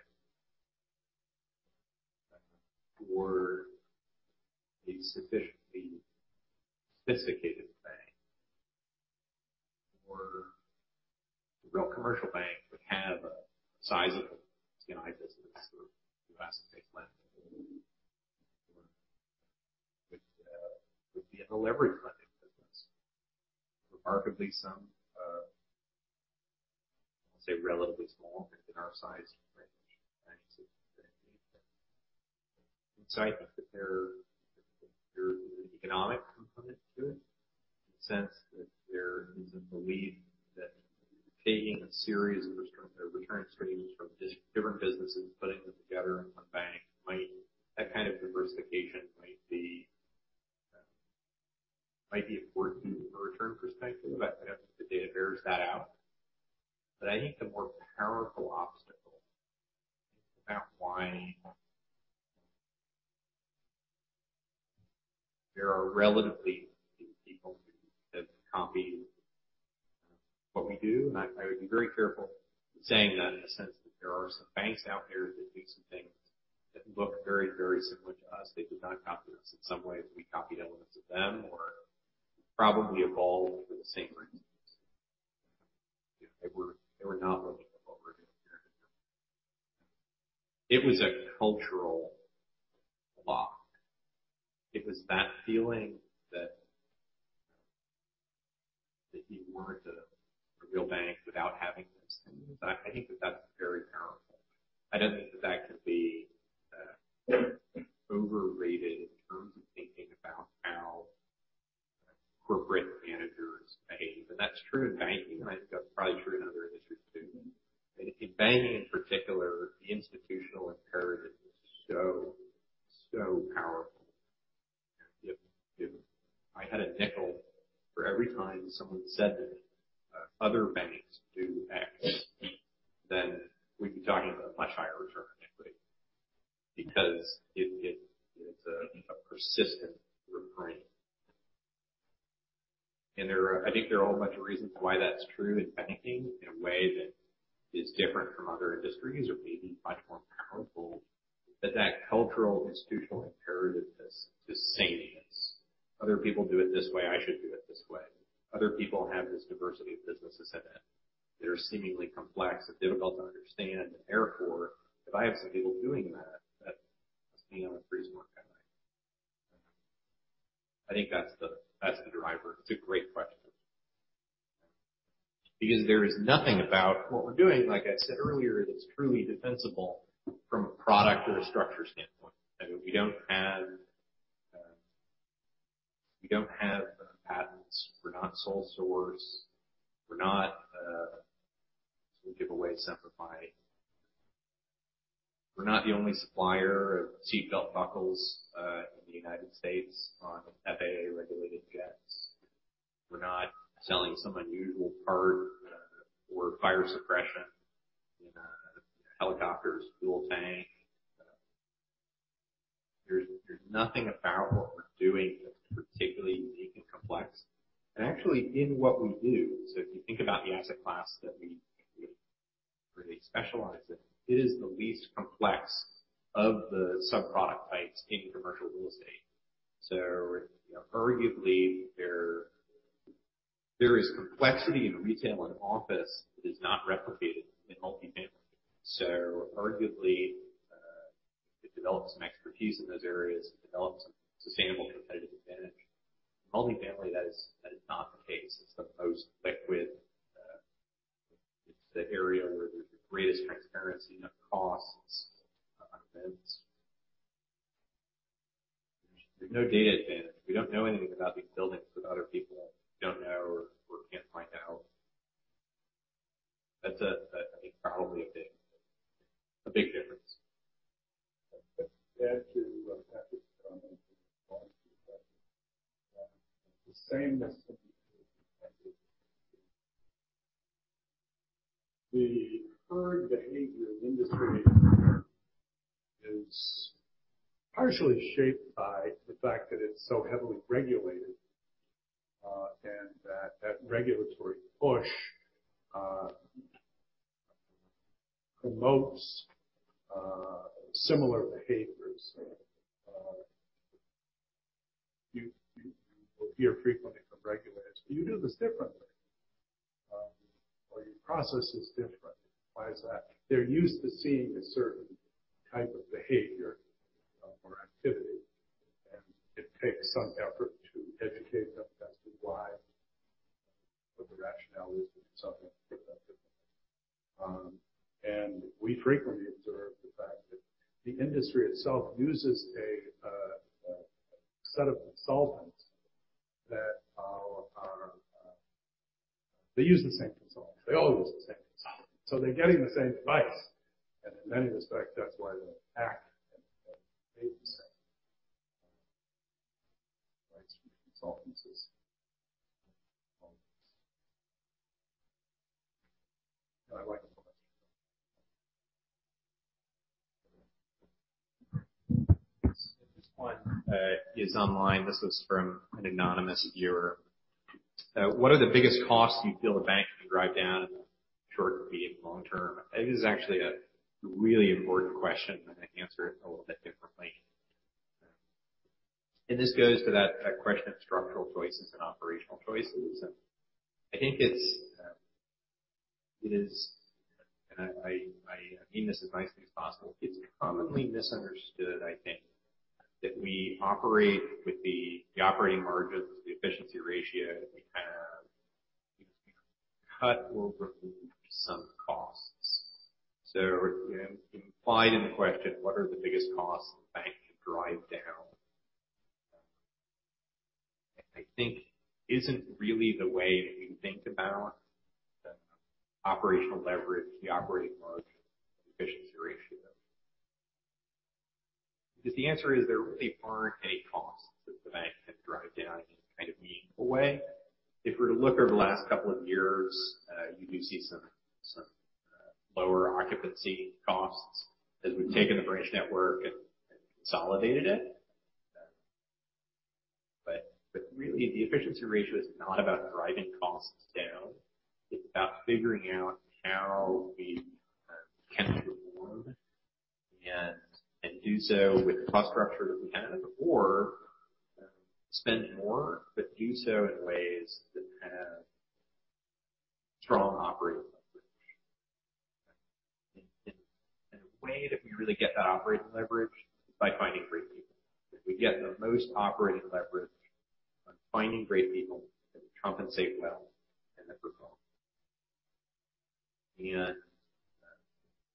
or a sufficiently sophisticated bank or a real commercial bank would have a size of C&I business or U.S.-based lending or which would be in the leveraged lending business. There's an economic component to it in the sense that there is a belief that taking a series of return streams from just different businesses, putting them together in one bank might, that kind of diversification might be important from a return perspective. I don't know if the data bears that out. I think the more powerful obstacle about why there are relatively few people who have copied what we do, and I would be very careful in saying that in a sense that there are some banks out there that do some things that look very, very similar to us. They do not copy us. In some ways, we copied elements of them or probably evolved for the same reasons. You know, they were not looking at what we're doing here. It was a cultural block. It was that feeling that you weren't a real bank without having those things. I think that that's very powerful. I don't think that can be overrated in terms of thinking about how corporate managers behave. That's true in banking, and I think that's probably true in other industries too. In banking, in particular, the institutional imperative is so powerful. If I had a nickel for every time someone said that other banks do X, then we'd be talking about much higher returns. Because it is, it's a persistent refrain. I think there are a whole bunch of reasons why that's true in banking in a way that is different from other industries or maybe much more powerful. That cultural institutional imperativeness to sameness. Other people do it this way, I should do it this way. Other people have this diversity of businesses in it that are seemingly complex and difficult to understand, and therefore, if I have some people doing that must be on a freeze work at night. I think that's the driver. It's a great question. Because there is nothing about what we're doing, like I said earlier, that's truly defensible from a product or a structure standpoint. I mean, we don't have patents. We're not sole source. To give away Semper Fi. We're not the only supplier of seat belt buckles in the United States on FAA-regulated jets. We're not selling some unusual part for fire suppression in a helicopter's fuel tank. There's nothing about what we're doing that's particularly unique and complex. Actually, in what we do, if you think about the asset class that we really specialize in, it is the least complex of the sub-product types in commercial real estate. You know, arguably, there is complexity in retail and office that is not replicated set of consultants that are. They use the same consultants. They all use the same consultants. They're getting the same advice. In many respects, that's why they act and behave the same. Advice from consultants is. No, I like it. This one is online. This is from an anonymous viewer. What are the biggest costs you feel the bank can drive down in the short, medium, long-term? It is actually a really important question. I'm gonna answer it a little bit differently. This goes to that question of structural choices and operational choices. I think it's, and I mean this as nicely as possible. It's commonly misunderstood, I think, that we operate with the operating margins, the efficiency ratio that we have, cut or remove some costs. You know, implied in the question, what are the biggest costs the bank can drive down? I think it isn't really the way that we think about the operational leverage, the operating margin, efficiency ratio. Because the answer is there really aren't any costs that the bank can drive down in any kind of meaningful way. If we're to look over the last couple of years, you do see some lower occupancy costs as we've taken the branch network and consolidated it. Really, the efficiency ratio is not about driving costs down. It's about figuring out how we can perform and do so with the cost structure that we have or spend more, but do so in ways that have strong operating leverage. The way that we really get that operating leverage is by finding great people. We get the most operating leverage on finding great people that compensate well and that perform.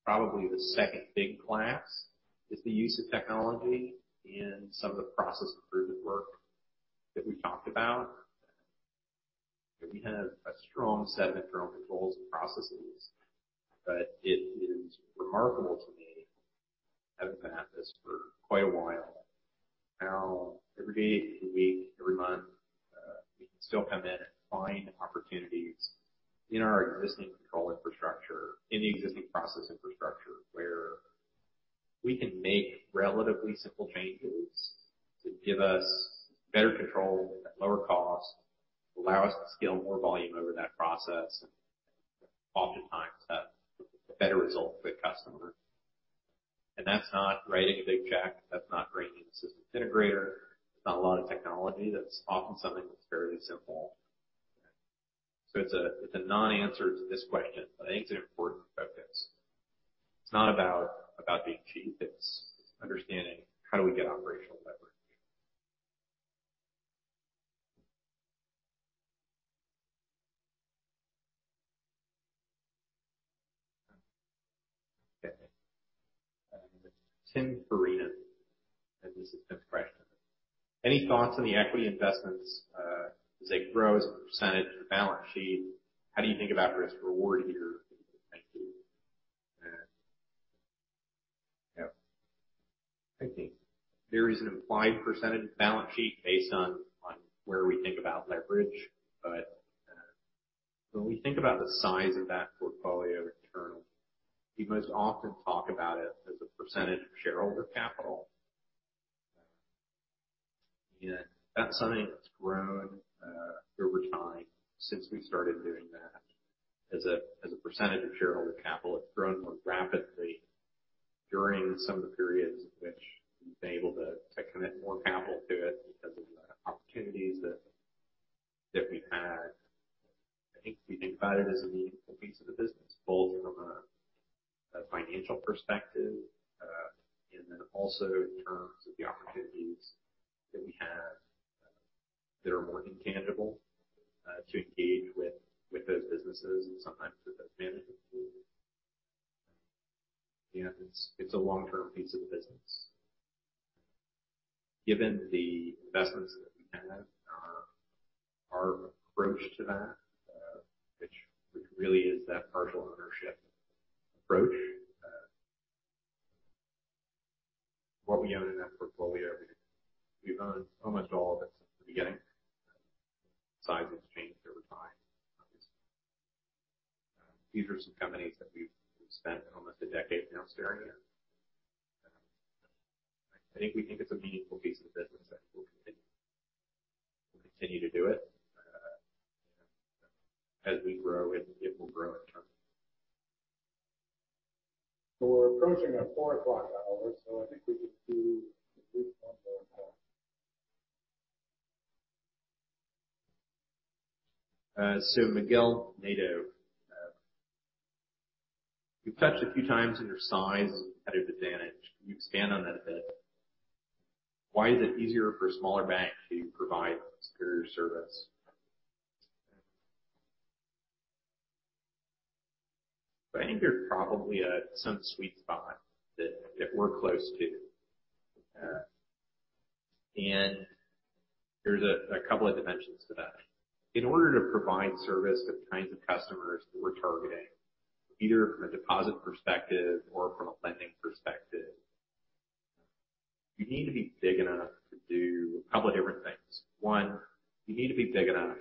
probably the second big class is the use of technology and some of the process improvement work that we talked about. We have a strong set of internal controls and processes, but it is remarkable to me, having been at this for quite a while, how every day, every week, every month, still come in and find opportunities in our existing control infrastructure, in the existing process infrastructure, where we can make relatively simple changes to give us better control at lower cost, allow us to scale more volume over that process. Oftentimes, that's a better result for the customer. That's not writing a big check, that's not bringing a systems integrator. It's not a lot of technology. That's often something that's very simple. It's a non-answer to this question, but I think it's an important focus. It's not about being cheap, it's understanding how do we get operational leverage. Okay. Tim Farina. This is Tim's question. Any thoughts on the equity investments as they grow as a percentage of the balance sheet? How do you think about risk reward here? Thank you. Yeah. I think there is an implied percentage of balance sheet based on where we think about leverage. When we think about the size of that portfolio return, we most often talk about it as a percentage of shareholder capital. That's something that's grown over time since we started doing that. As a percentage of shareholder capital, it's grown more rapidly during some of the periods in which we've been able to commit more capital to it because of the opportunities that we've had. I think if you think about it as a meaningful piece of the business, both from a financial perspective, and then also in terms of the opportunities that we have that are more intangible, to engage with those businesses and sometimes with those management teams. You know, it's a long-term piece of the business. Given the investments that we have, our approach to that, which really is that partial ownership approach. What we own in that portfolio, we've owned almost all of it since the beginning. The size has changed over time, obviously. These are some companies that we've spent almost a decade now staring at. I think we think it's a meaningful piece of the business that we'll continue to do it. As we grow it will grow in terms of- We're approaching our 4:00 P.M. hour, so I think we can do at least one more call. Miguel Nadeau, you've touched a few times on your size competitive advantage. Can you expand on that a bit? Why is it easier for a smaller bank to provide superior service? I think there's probably some sweet spot that we're close to. There's a couple of dimensions to that. In order to provide service to the kinds of customers that we're targeting, either from a deposit perspective or from a lending perspective, you need to be big enough to do a couple of different things. One, you need to be big enough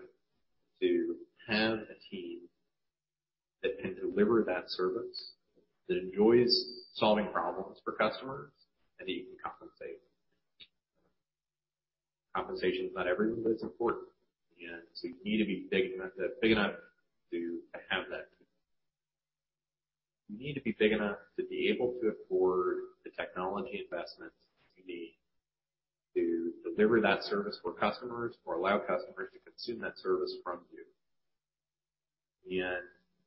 to have a team that can deliver that service, that enjoys solving problems for customers, and that you can compensate. Compensation is not everything, but it's important. You need to be big enough to have that team. You need to be big enough to be able to afford the technology investments you need to deliver that service for customers or allow customers to consume that service from you.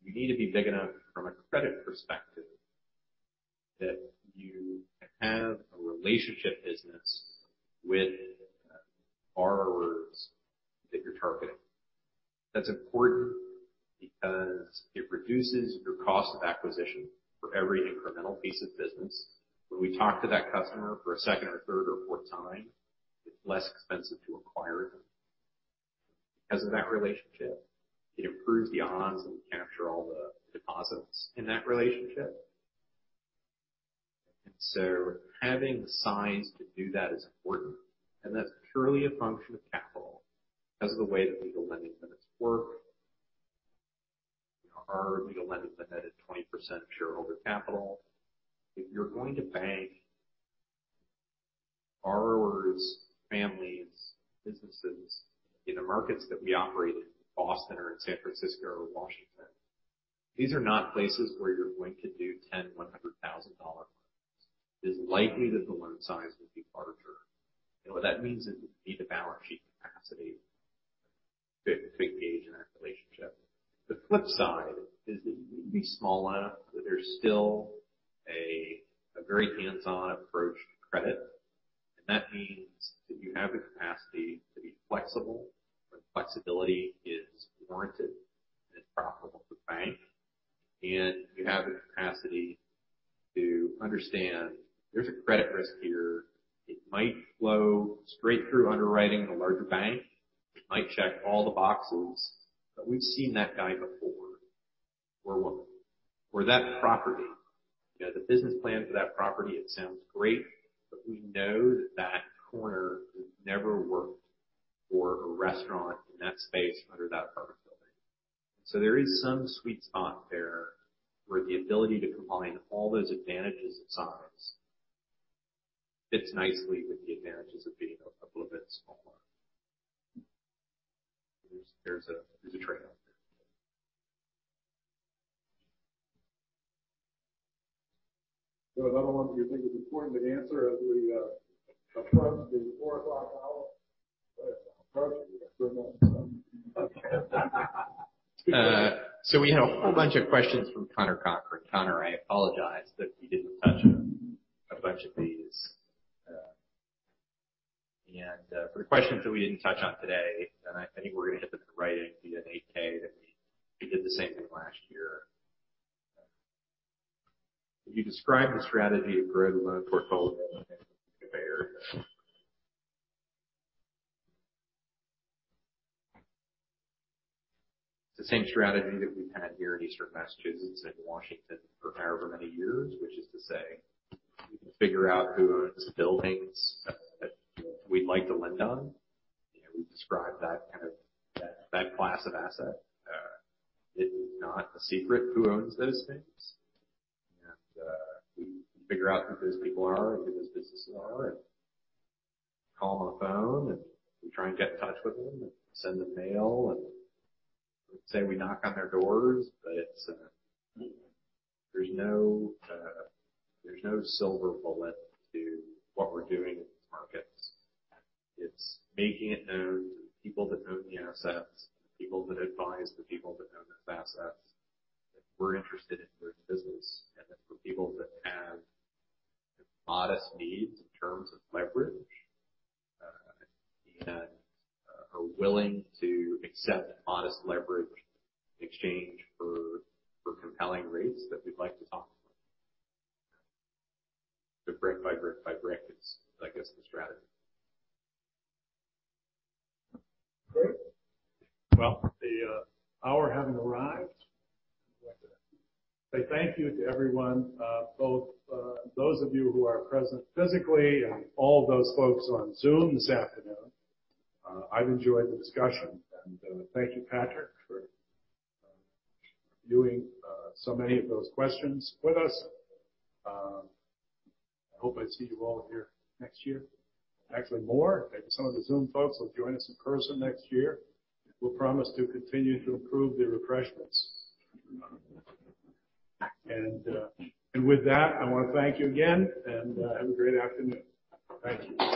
You need to be big enough from a credit perspective that you can have a relationship business with, borrowers that you're targeting. That's important because it reduces your cost of acquisition for every incremental piece of business. When we talk to that customer for a second or third or fourth time, it's less expensive to acquire them. Because of that relationship, it improves the odds that we capture all the deposits in that relationship. Having the size to do that is important, and that's purely a function of capital because of the way that legal lending limits work. Our legal lending limit is 20% of shareholder capital. If you're going to bank borrowers, families, businesses in the markets that we operate in, Boston or in San Francisco or Washington, these are not places where you're going to do $10,000-$100,000 loans. It's likely that the loan size will be larger. What that means is you need the balance sheet capacity to engage in that relationship. The flip side is that you need to be small enough that there's still a very hands-on approach to credit. That means that you have the capacity to be flexible when flexibility is warranted and it's profitable to bank. You have the capacity to understand there's a credit risk here. It might flow straight through underwriting a larger bank. It might check all the boxes, but we've seen that guy before. Or what? Or that property. You know, the business plan for that property, it sounds great, but we know that that corner has never worked for a restaurant in that space under that apartment building. There is some sweet spot there where the ability to combine all those advantages of size fits nicely with the advantages of being a little bit smaller. There's a trade-off there. Is there another one that you think is important to answer as we approach 4:00 P.M.? We're almost done. We had a whole bunch of questions from Connor Cochran. Connor, I apologize that we didn't touch on a bunch of these. For the questions that we didn't touch on today, I think we're gonna get them in writing via an 8-K. We did the same thing last year. Could you describe the strategy to grow the loan portfolio? It's the same strategy that we've had here in Eastern Massachusetts and Washington for however many years, which is to say, we can figure out who owns buildings that we'd like to lend on. You know, we describe that kind of class of asset. It is not a secret who owns those things. We figure out who those people are and who those businesses are, and call them on the phone, and we try and get in touch with them, and send them mail, and I would say we knock on their doors. There's no silver bullet to what we're doing in these markets. It's making it known to the people that own the assets, the people that advise the people that own those assets, that we're interested in their business. For people that have modest needs in terms of leverage, and are willing to accept modest leverage in exchange for compelling rates, that we'd like to talk. The brick by brick is I guess the strategy. Great. Well, the hour having arrived, say thank you to everyone, both those of you who are present physically and all those folks on Zoom this afternoon. I've enjoyed the discussion. Thank you, Patrick, for reviewing so many of those questions with us. I hope I see you all here next year. Actually more. Maybe some of the Zoom folks will join us in person next year. We'll promise to continue to improve the refreshments. With that, I wanna thank you again, and have a great afternoon. Thank you.